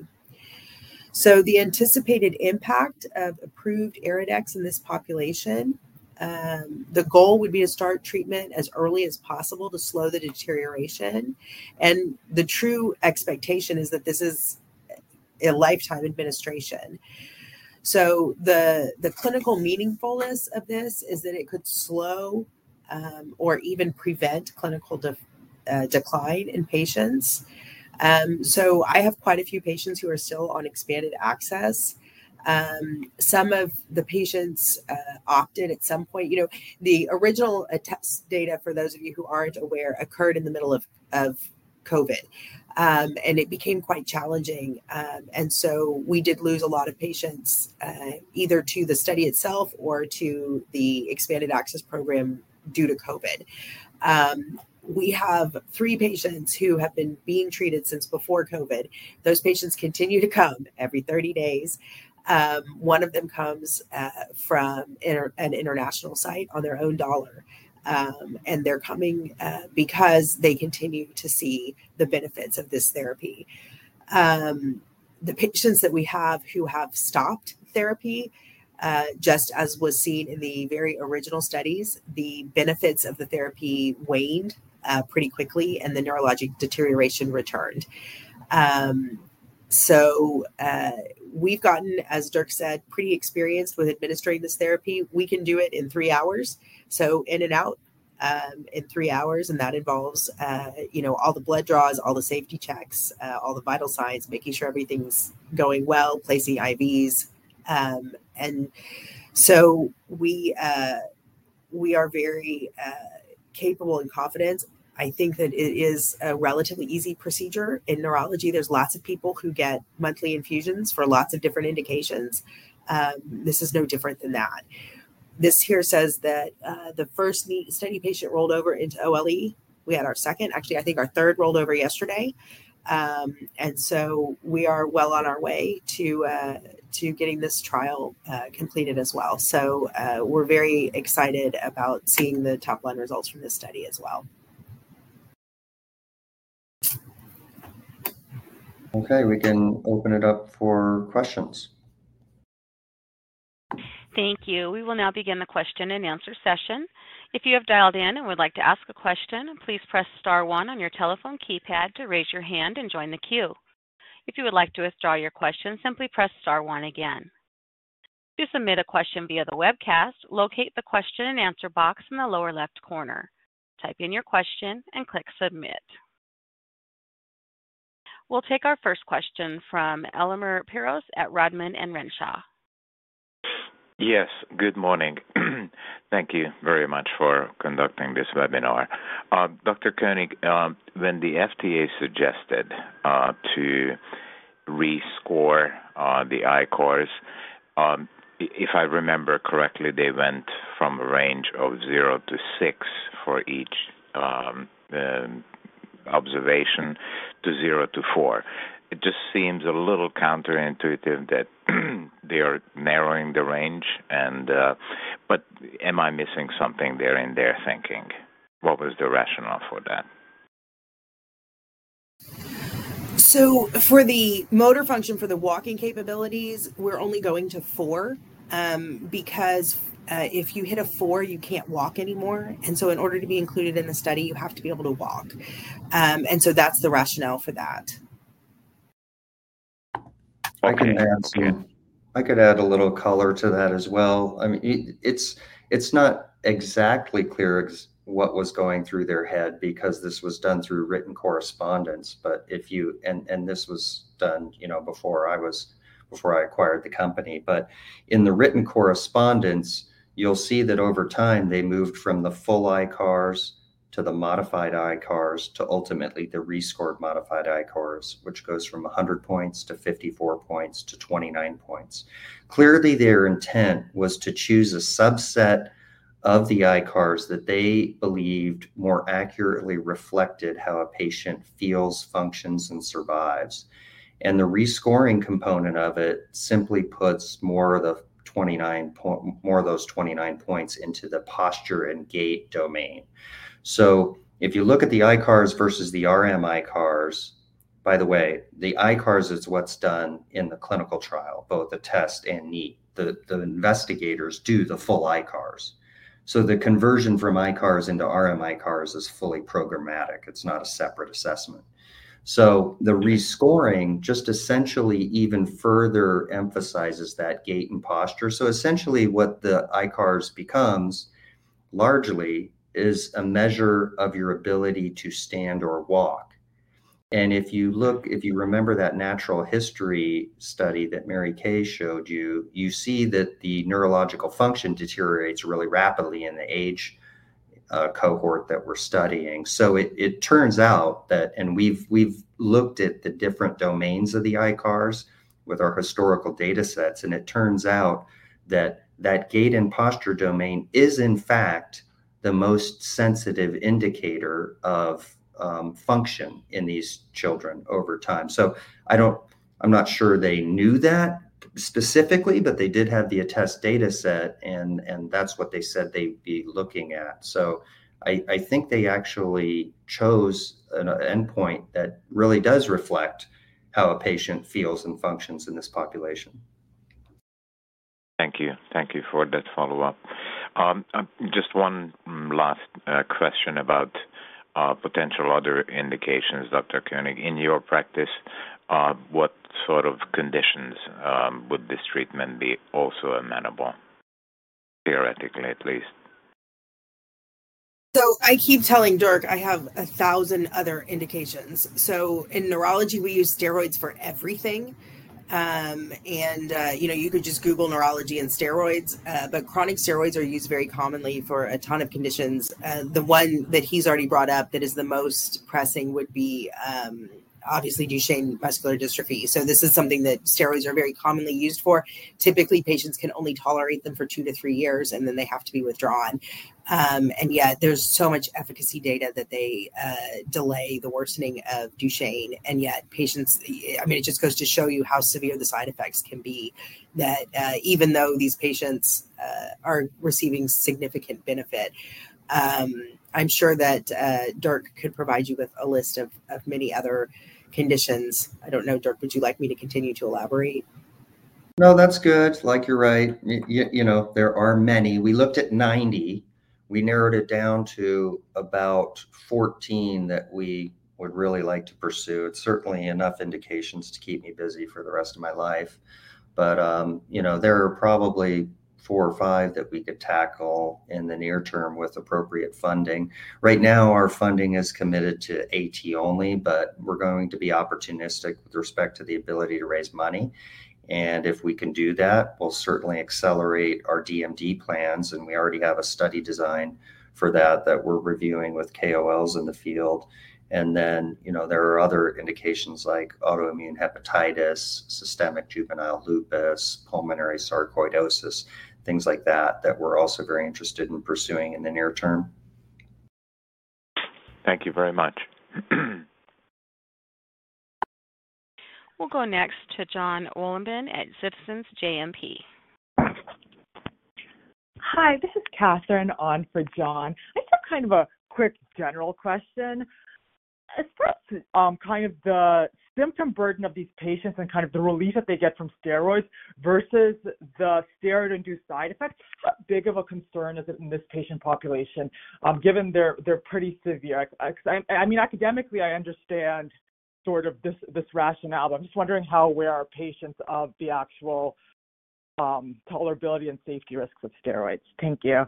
The anticipated impact of approved Auradex in this population, the goal would be to start treatment as early as possible to slow the deterioration. The true expectation is that this is a lifetime administration. The clinical meaningfulness of this is that it could slow or even prevent clinical decline in patients. I have quite a few patients who are still on expanded access. Some of the patients opted at some point. The original ATHEST study for those of you who aren't aware occurred in the middle of COVID, and it became quite challenging. We did lose a lot of patients either to the study itself or to the expanded access program due to COVID. We have three patients who have been being treated since before COVID. Those patients continue to come every 30 days. One of them comes from an international site on their own dollar. They are coming because they continue to see the benefits of this therapy. The patients that we have who have stopped therapy, just as was seen in the very original studies, the benefits of the therapy waned pretty quickly, and the neurologic deterioration returned. We have gotten, as Dirk said, pretty experienced with administering this therapy. We can do it in three hours, in and out in three hours. That involves all the blood draws, all the safety checks, all the vital signs, making sure everything is going well, placing IVs. We are very capable and confident. I think that it is a relatively easy procedure. In neurology, there are lots of people who get monthly infusions for lots of different indications. This is no different than that. This here says that the first study patient rolled over into OLE. We had our second, actually, I think our third rolled over yesterday. We are well on our way to getting this trial completed as well. We are very excited about seeing the top-line results from this study as well. Okay. We can open it up for questions. Thank you. We will now begin the question and answer session. If you have dialed in and would like to ask a question, please press star one on your telephone keypad to raise your hand and join the queue. If you would like to withdraw your question, simply press star one again. To submit a question via the webcast, locate the question and answer box in the lower left corner. Type in your question and click submit. We'll take our first question from Elimer Peros at Rodman and Renshaw. Yes. Good morning. Thank you very much for conducting this webinar. Dr. Koenig, when the FDA suggested to rescore the ICARS, if I remember correctly, they went from a range of zero to six for each observation to zero to four. It just seems a little counterintuitive that they are narrowing the range. Am I missing something there in their thinking? What was the rationale for that? For the motor function for the walking capabilities, we're only going to four because if you hit a four, you can't walk anymore. In order to be included in the study, you have to be able to walk. That's the rationale for that. I can add a little color to that as well. It's not exactly clear what was going through their head because this was done through written correspondence. This was done before I acquired the company. In the written correspondence, you'll see that over time, they moved from the full ICARS to the modified ICARS to ultimately the rescored modified ICARS, which goes from 100 points to 54 points to 29 points. Clearly, their intent was to choose a subset of the ICARS that they believed more accurately reflected how a patient feels, functions, and survives. The rescoring component of it simply puts more of those 29 points into the posture and gait domain. If you look at the ICARS versus the RMICARS, by the way, the ICARS is what's done in the clinical trial, both ATHEST and NEAT. The investigators do the full ICARS. The conversion from ICARS into rescored modified ICARS is fully programmatic. It's not a separate assessment. The rescoring just essentially even further emphasizes that gait and posture. Essentially, what the ICARS becomes largely is a measure of your ability to stand or walk. If you remember that natural history study that Mary Kay showed you, you see that the neurological function deteriorates really rapidly in the age cohort that we're studying. It turns out that, and we've looked at the different domains of the ICARS with our historical data sets, it turns out that that gait and posture domain is, in fact, the most sensitive indicator of function in these children over time. I'm not sure they knew that specifically, but they did have the ATHEST data set, and that's what they said they'd be looking at. I think they actually chose an endpoint that really does reflect how a patient feels and functions in this population. Thank you. Thank you for that follow-up. Just one last question about potential other indications, Dr. Koenig. In your practice, what sort of conditions would this treatment be also amenable, theoretically at least? I keep telling Dirk, I have 1,000 other indications. In neurology, we use steroids for everything. You could just google neurology and steroids. Chronic steroids are used very commonly for a ton of conditions. The one that he's already brought up that is the most pressing would be, obviously, Duchenne muscular dystrophy. This is something that steroids are very commonly used for. Typically, patients can only tolerate them for two to three years, and then they have to be withdrawn. Yet, there's so much efficacy data that they delay the worsening of Duchenne. Yet, patients, I mean, it just goes to show you how severe the side effects can be that even though these patients are receiving significant benefit. I'm sure that Dirk could provide you with a list of many other conditions. I don't know, Dirk, would you like me to continue to elaborate? No, that's good. Like you're right. There are many. We looked at 90. We narrowed it down to about 14 that we would really like to pursue. It's certainly enough indications to keep me busy for the rest of my life. There are probably four or five that we could tackle in the near term with appropriate funding. Right now, our funding is committed to AT only, but we're going to be opportunistic with respect to the ability to raise money. If we can do that, we'll certainly accelerate our DMD plans. We already have a study design for that that we're reviewing with KOLs in the field. There are other indications like autoimmune hepatitis, systemic juvenile lupus, pulmonary sarcoidosis, things like that that we're also very interested in pursuing in the near term. Thank you very much. We'll go next to Jon Wolleben at Citizens JMP. Hi, this is Catherine on for Jon. I have kind of a quick general question. As far as kind of the symptom burden of these patients and kind of the relief that they get from steroids versus the steroid-induced side effects, how big of a concern is it in this patient population given they're pretty severe? I mean, academically, I understand sort of this rationale, but I'm just wondering how aware are patients of the actual tolerability and safety risks of steroids? Thank you.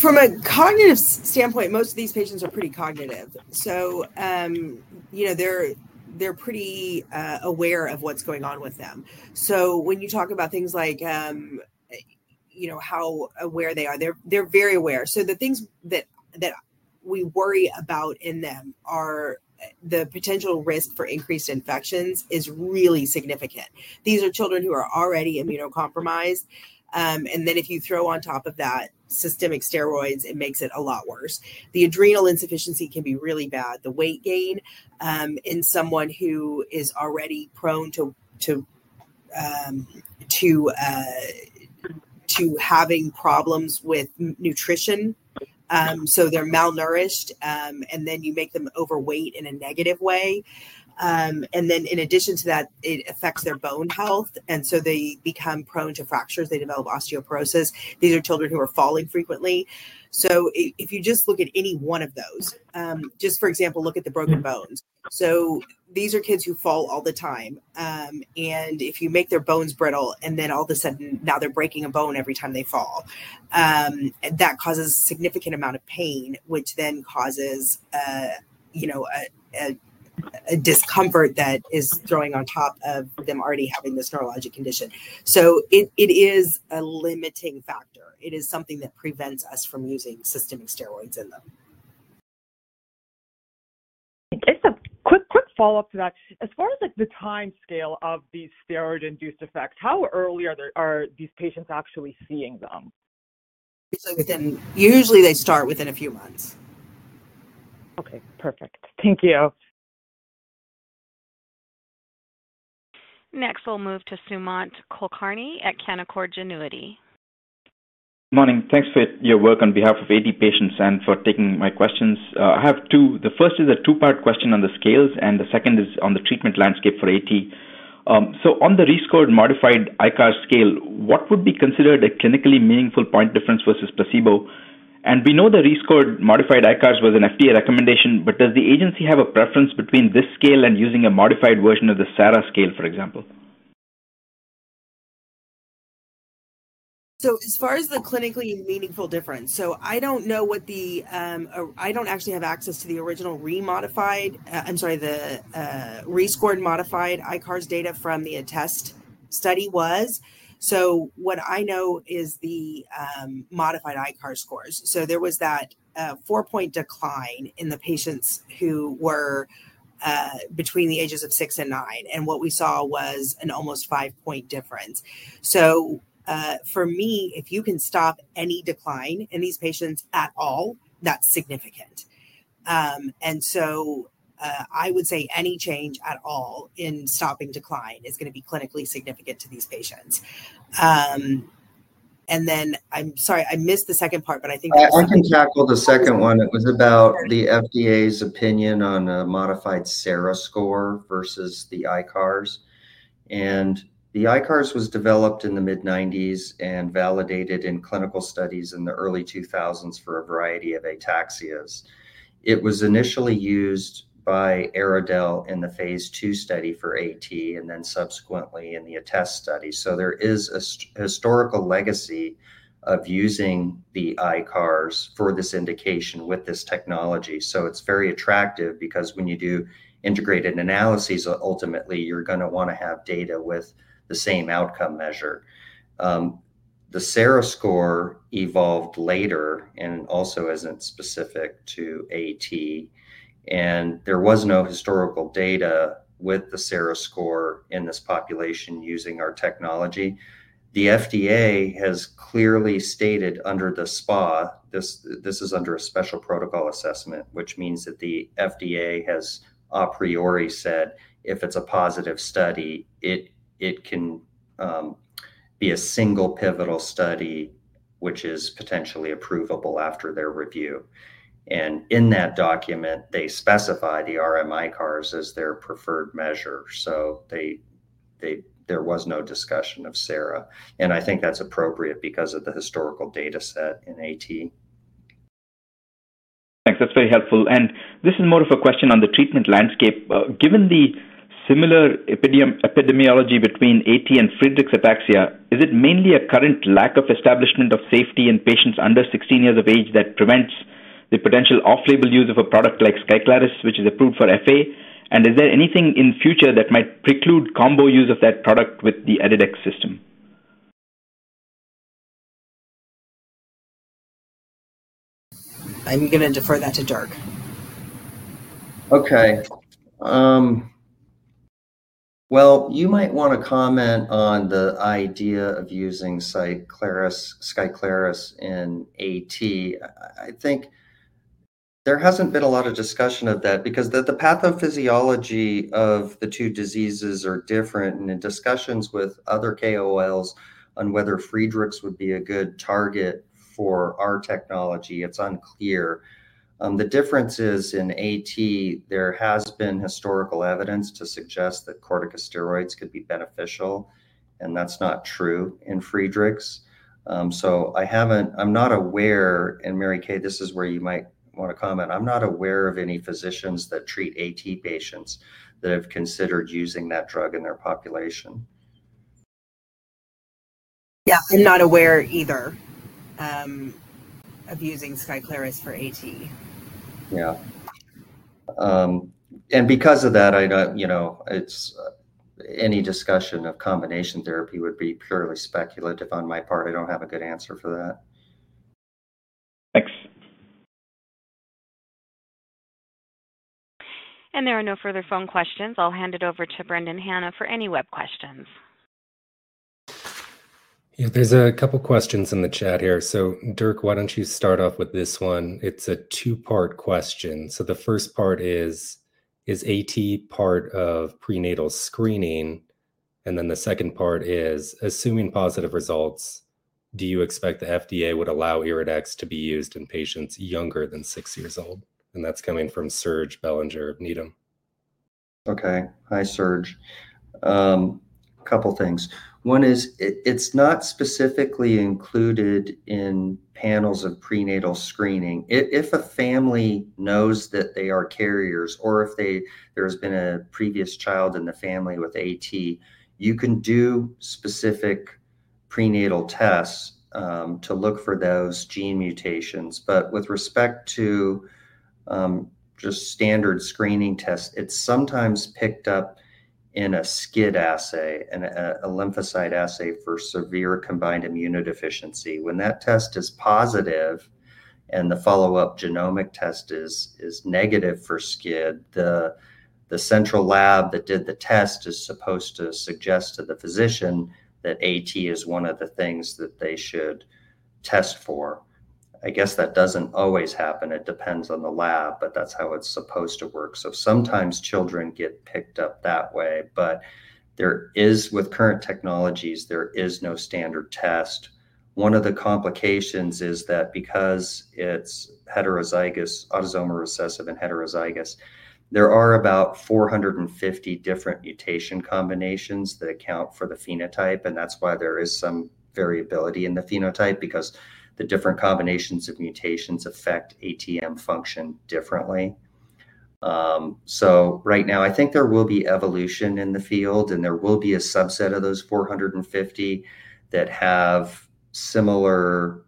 From a cognitive standpoint, most of these patients are pretty cognitive. They are pretty aware of what's going on with them. When you talk about things like how aware they are, they're very aware. The things that we worry about in them are the potential risk for increased infections is really significant. These are children who are already immunocompromised. If you throw on top of that systemic steroids, it makes it a lot worse. The adrenal insufficiency can be really bad, the weight gain in someone who is already prone to having problems with nutrition. They're malnourished, and then you make them overweight in a negative way. In addition to that, it affects their bone health. They become prone to fractures. They develop osteoporosis. These are children who are falling frequently. If you just look at any one of those, just for example, look at the broken bones. These are kids who fall all the time. If you make their bones brittle, and then all of a sudden, now they're breaking a bone every time they fall. That causes a significant amount of pain, which then causes a discomfort that is throwing on top of them already having this neurologic condition. It is a limiting factor. It is something that prevents us from using systemic steroids in them. Just a quick follow-up to that. As far as the timescale of these steroid-induced effects, how early are these patients actually seeing them? Usually, they start within a few months. Okay. Perfect. Thank you. Next, we'll move to Sumant Kulkarni at Canaccord Genuity. Morning. Thanks for your work on behalf of AT patients and for taking my questions. I have two. The first is a two-part question on the scales, and the second is on the treatment landscape for AT. On the rescored modified ICARS scale, what would be considered a clinically meaningful point difference versus placebo? We know the rescored modified ICARS was an FDA recommendation, but does the agency have a preference between this scale and using a modified version of the SARA scale, for example? As far as the clinically meaningful difference, I don't know what the—I don't actually have access to the original remodified—I'm sorry, the rescored modified ICARS data from the ATHEST study was. What I know is the modified ICARS scores. There was that four-point decline in the patients who were between the ages of six and nine. What we saw was an almost five-point difference. For me, if you can stop any decline in these patients at all, that's significant. I would say any change at all in stopping decline is going to be clinically significant to these patients. I'm sorry, I missed the second part, but I think that. I can tackle the second one. It was about the FDA's opinion on a modified SARA score versus the ICARS. And the ICARS was developed in the mid-1990s and validated in clinical studies in the early 2000s for a variety of ataxias. It was initially used by Aridel in the phase two study for AT and then subsequently in the ATHEST study. There is a historical legacy of using the ICARS for this indication with this technology. It is very attractive because when you do integrated analyses, ultimately, you are going to want to have data with the same outcome measure. The SARA score evolved later and also is not specific to AT. There was no historical data with the SARA score in this population using our technology. The FDA has clearly stated under the SPA. This is under a special protocol assessment, which means that the FDA has a priori said if it's a positive study, it can be a single pivotal study, which is potentially approvable after their review. In that document, they specify the RMICARs as their preferred measure. There was no discussion of SARA. I think that's appropriate because of the historical data set in AT. Thanks. That's very helpful. This is more of a question on the treatment landscape. Given the similar epidemiology between AT and Friedreich's ataxia, is it mainly a current lack of establishment of safety in patients under 16 years of age that prevents the potential off-label use of a product like SKYCLARYS, which is approved for FA? Is there anything in future that might preclude combo use of that product with the EryDex system? I'm going to defer that to Dirk. Okay. You might want to comment on the idea of using SKYCLARYS in AT. I think there hasn't been a lot of discussion of that because the pathophysiology of the two diseases are different. In discussions with other KOLs on whether Friedreich's would be a good target for our technology, it's unclear. The difference is in AT, there has been historical evidence to suggest that corticosteroids could be beneficial. That's not true in Friedreich's. I'm not aware, and Mary Kay, this is where you might want to comment. I'm not aware of any physicians that treat AT patients that have considered using that drug in their population. Yeah. I'm not aware either of using SKYCLARYS for AT. Yeah. Because of that, any discussion of combination therapy would be purely speculative on my part. I don't have a good answer for that. There are no further phone questions. I'll hand it over to Brendan Hannah for any web questions. Yeah. There's a couple of questions in the chat here. Dirk, why don't you start off with this one? It's a two-part question. The first part is, is AT part of prenatal screening? The second part is, assuming positive results, do you expect the FDA would allow EryDex to be used in patients younger than six years old? That's coming from Serge Bellinger of Needham. Okay. Hi, Serge. A couple of things. One is it's not specifically included in panels of prenatal screening. If a family knows that they are carriers or if there has been a previous child in the family with AT, you can do specific prenatal tests to look for those gene mutations. With respect to just standard screening tests, it's sometimes picked up in a SCID assay, a lymphocyte assay for severe combined immunodeficiency. When that test is positive and the follow-up genomic test is negative for SCID, the central lab that did the test is supposed to suggest to the physician that AT is one of the things that they should test for. I guess that doesn't always happen. It depends on the lab, but that's how it's supposed to work. Sometimes children get picked up that way. With current technologies, there is no standard test. One of the complications is that because it's heterozygous, autosomal recessive, and heterozygous, there are about 450 different mutation combinations that account for the phenotype. That's why there is some variability in the phenotype because the different combinations of mutations affect ATM function differently. Right now, I think there will be evolution in the field, and there will be a subset of those 450 that have similar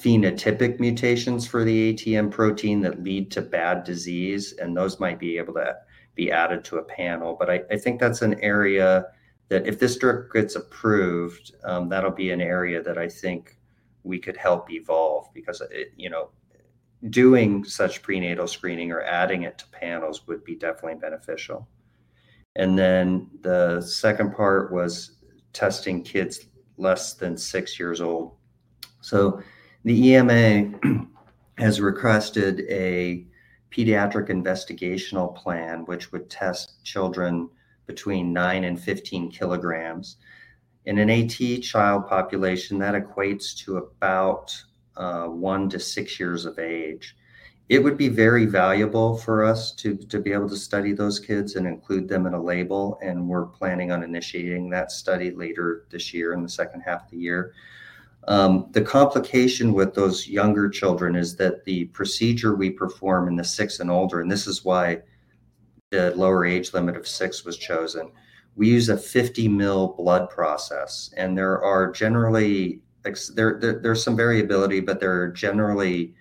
phenotypic mutations for the ATM protein that lead to bad disease. Those might be able to be added to a panel. I think that's an area that if this drug gets approved, that'll be an area that I think we could help evolve because doing such prenatal screening or adding it to panels would be definitely beneficial. The second part was testing kids less than six years old. The EMA has requested a pediatric investigational plan which would test children between 9 and 15 kilograms. In an AT child population, that equates to about one to six years of age. It would be very valuable for us to be able to study those kids and include them in a label. We are planning on initiating that study later this year in the second half of the year. The complication with those younger children is that the procedure we perform in the six and older, and this is why the lower age limit of six was chosen. We use a 50 mL blood process. There are generally—there is some variability, but there are generally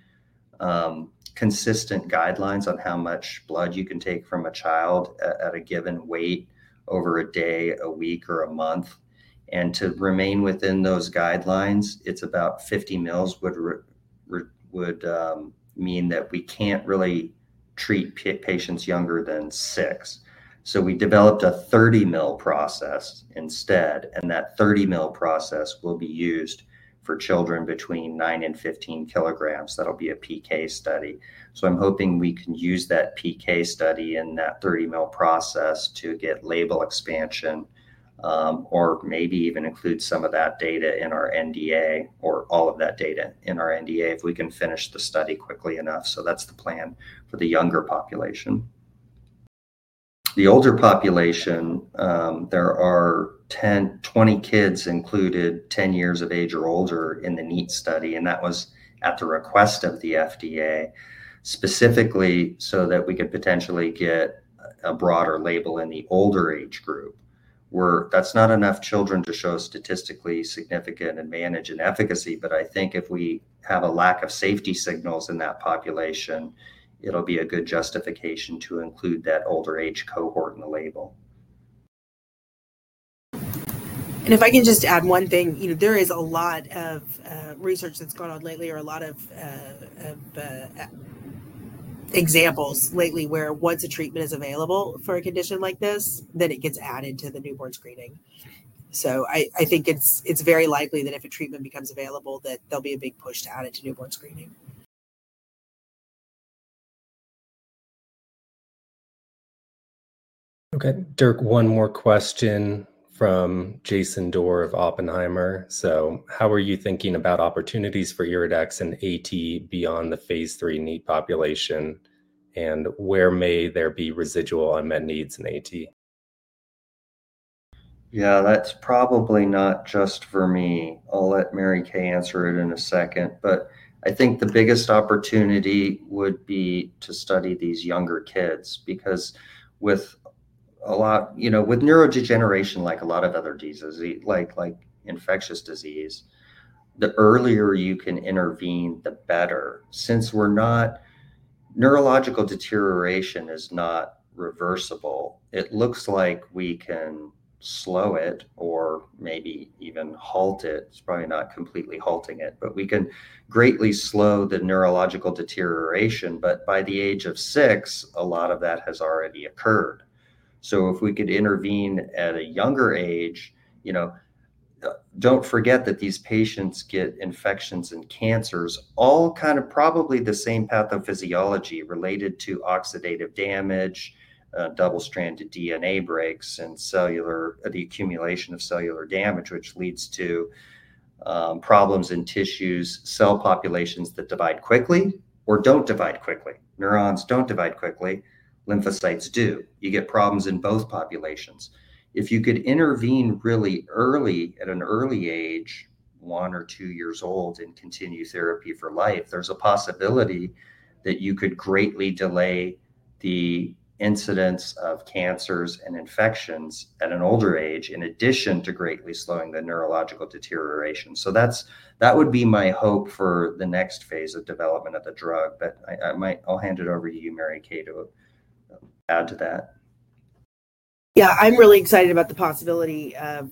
consistent guidelines on how much blood you can take from a child at a given weight over a day, a week, or a month. To remain within those guidelines, it's about 50 mL would mean that we can't really treat patients younger than six. We developed a 30 mL process instead. That 30 mL process will be used for children between 9 and 15 kilograms. That'll be a PK study. I'm hoping we can use that PK study and that 30 mL process to get label expansion or maybe even include some of that data in our NDA or all of that data in our NDA if we can finish the study quickly enough. That's the plan for the younger population. The older population, there are 20 kids included 10 years of age or older in the NEAT study. That was at the request of the FDA, specifically so that we could potentially get a broader label in the older age group. That's not enough children to show statistically significant and manage in efficacy. I think if we have a lack of safety signals in that population, it'll be a good justification to include that older age cohort in the label. If I can just add one thing, there is a lot of research that's gone on lately or a lot of examples lately where once a treatment is available for a condition like this, then it gets added to the newborn screening. I think it's very likely that if a treatment becomes available, that there'll be a big push to add it to newborn screening. Okay. Dirk, one more question from Jason Doerr of Oppenheimer. How are you thinking about opportunities for EryDex and AT beyond the phase three NEAT population? Where may there be residual unmet needs in AT? Yeah. That's probably not just for me. I'll let Mary Kay answer it in a second. I think the biggest opportunity would be to study these younger kids because with neurodegeneration, like a lot of other diseases, like infectious disease, the earlier you can intervene, the better. Since neurological deterioration is not reversible, it looks like we can slow it or maybe even halt it. It's probably not completely halting it, but we can greatly slow the neurological deterioration. By the age of six, a lot of that has already occurred. If we could intervene at a younger age, don't forget that these patients get infections and cancers, all kind of probably the same pathophysiology related to oxidative damage, double-stranded DNA breaks, and accumulation of cellular damage, which leads to problems in tissues, cell populations that divide quickly or don't divide quickly. Neurons don't divide quickly. Lymphocytes do. You get problems in both populations. If you could intervene really early at an early age, one or two years old, and continue therapy for life, there's a possibility that you could greatly delay the incidence of cancers and infections at an older age, in addition to greatly slowing the neurological deterioration. That would be my hope for the next phase of development of the drug. I'll hand it over to you, Mary Kay, to add to that. Yeah. I'm really excited about the possibility of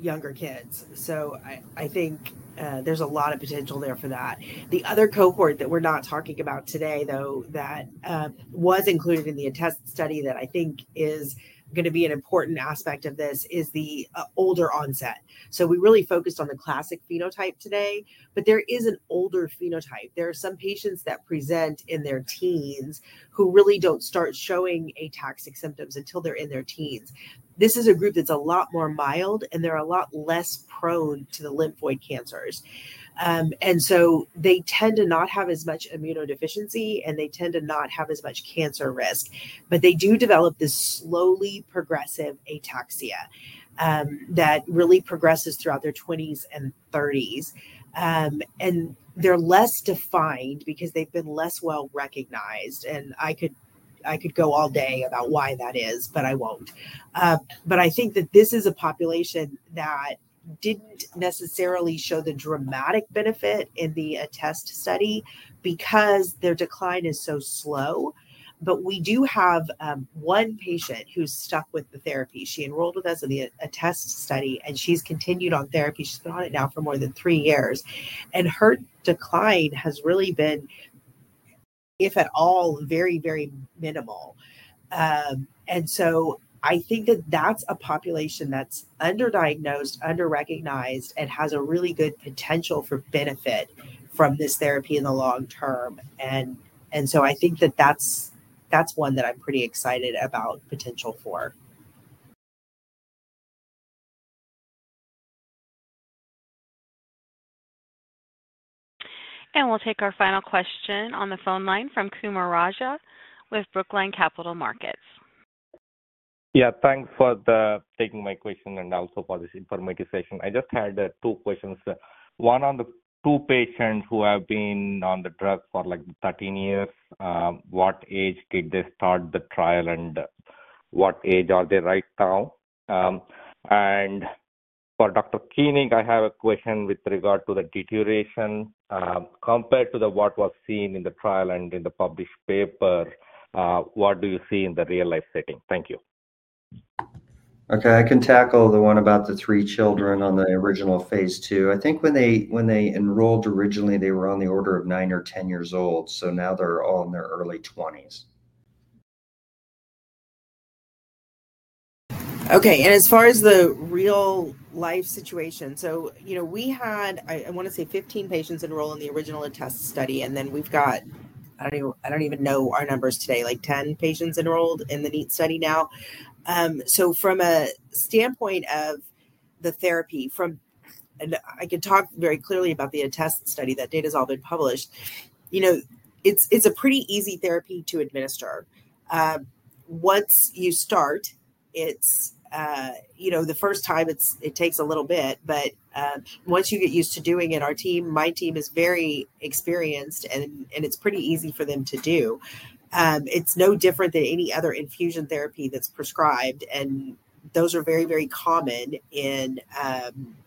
younger kids. I think there's a lot of potential there for that. The other cohort that we're not talking about today, though, that was included in the ATHEST study that I think is going to be an important aspect of this is the older onset. We really focused on the classic phenotype today, but there is an older phenotype. There are some patients that present in their teens who really don't start showing ataxic symptoms until they're in their teens. This is a group that's a lot more mild, and they're a lot less prone to the lymphoid cancers. They tend to not have as much immunodeficiency, and they tend to not have as much cancer risk. They do develop this slowly progressive ataxia that really progresses throughout their 20s and 30s. They are less defined because they have been less well recognized. I could go all day about why that is, but I will not. I think that this is a population that did not necessarily show the dramatic benefit in the ATHEST study because their decline is so slow. We do have one patient who has stuck with the therapy. She enrolled with us in the ATHEST study, and she has continued on therapy. She has been on it now for more than three years. Her decline has really been, if at all, very, very minimal. I think that is a population that is underdiagnosed, underrecognized, and has a really good potential for benefit from this therapy in the long term. I think that is one that I am pretty excited about potential for. We will take our final question on the phone line from Kumar Raja with Brookline Capital Markets. Yeah. Thanks for taking my question and also for this informative session. I just had two questions. One on the two patients who have been on the drug for like 13 years, what age did they start the trial, and what age are they right now? For Dr. Koenig, I have a question with regard to the deterioration. Compared to what was seen in the trial and in the published paper, what do you see in the real-life setting? Thank you. Okay. I can tackle the one about the three children on the original phase two. I think when they enrolled originally, they were on the order of 9 or 10 years old. Now they're all in their early 20s. Okay. As far as the real-life situation, we had, I want to say, 15 patients enroll in the original ATHEST study. We have, I do not even know our numbers today, like 10 patients enrolled in the NEAT study now. From a standpoint of the therapy, and I can talk very clearly about the ATHEST study, that data's all been published, it's a pretty easy therapy to administer. Once you start, the first time, it takes a little bit. Once you get used to doing it, our team, my team is very experienced, and it's pretty easy for them to do. It's no different than any other infusion therapy that's prescribed. Those are very, very common in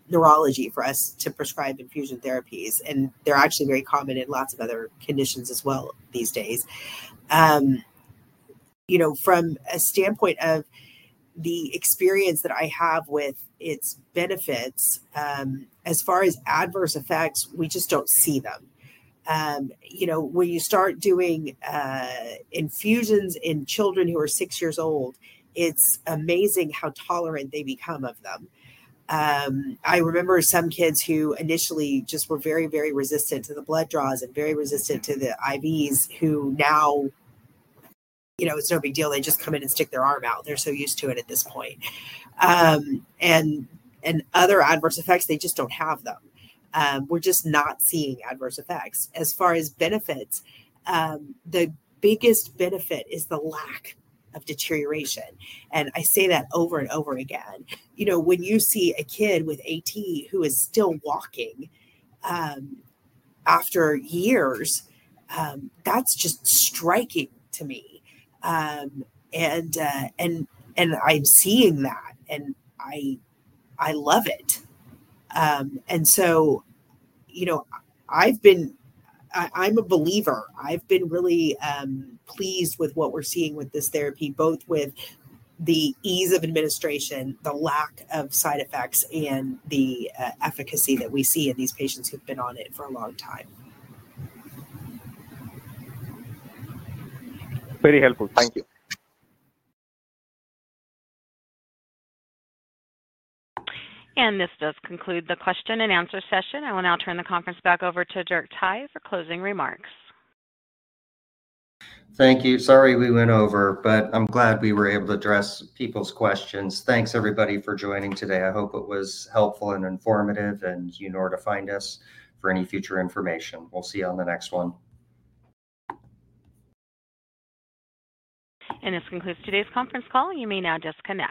neurology for us to prescribe infusion therapies. They're actually very common in lots of other conditions as well these days. From a standpoint of the experience that I have with its benefits, as far as adverse effects, we just don't see them. When you start doing infusions in children who are six years old, it's amazing how tolerant they become of them. I remember some kids who initially just were very, very resistant to the blood draws and very resistant to the IVs who now, it's no big deal. They just come in and stick their arm out. They're so used to it at this point. Other adverse effects, they just don't have them. We're just not seeing adverse effects. As far as benefits, the biggest benefit is the lack of deterioration. I say that over and over again. When you see a kid with AT who is still walking after years, that's just striking to me. I'm seeing that, and I love it. I'm a believer. I've been really pleased with what we're seeing with this therapy, both with the ease of administration, the lack of side effects, and the efficacy that we see in these patients who've been on it for a long time. Very helpful. Thank you. This does conclude the question and answer session. I will now turn the conference back over to Dirk Thye for closing remarks. Thank you. Sorry we went over, but I'm glad we were able to address people's questions. Thanks, everybody, for joining today. I hope it was helpful and informative, and you know where to find us for any future information. We'll see you on the next one. This concludes today's conference call. You may now disconnect.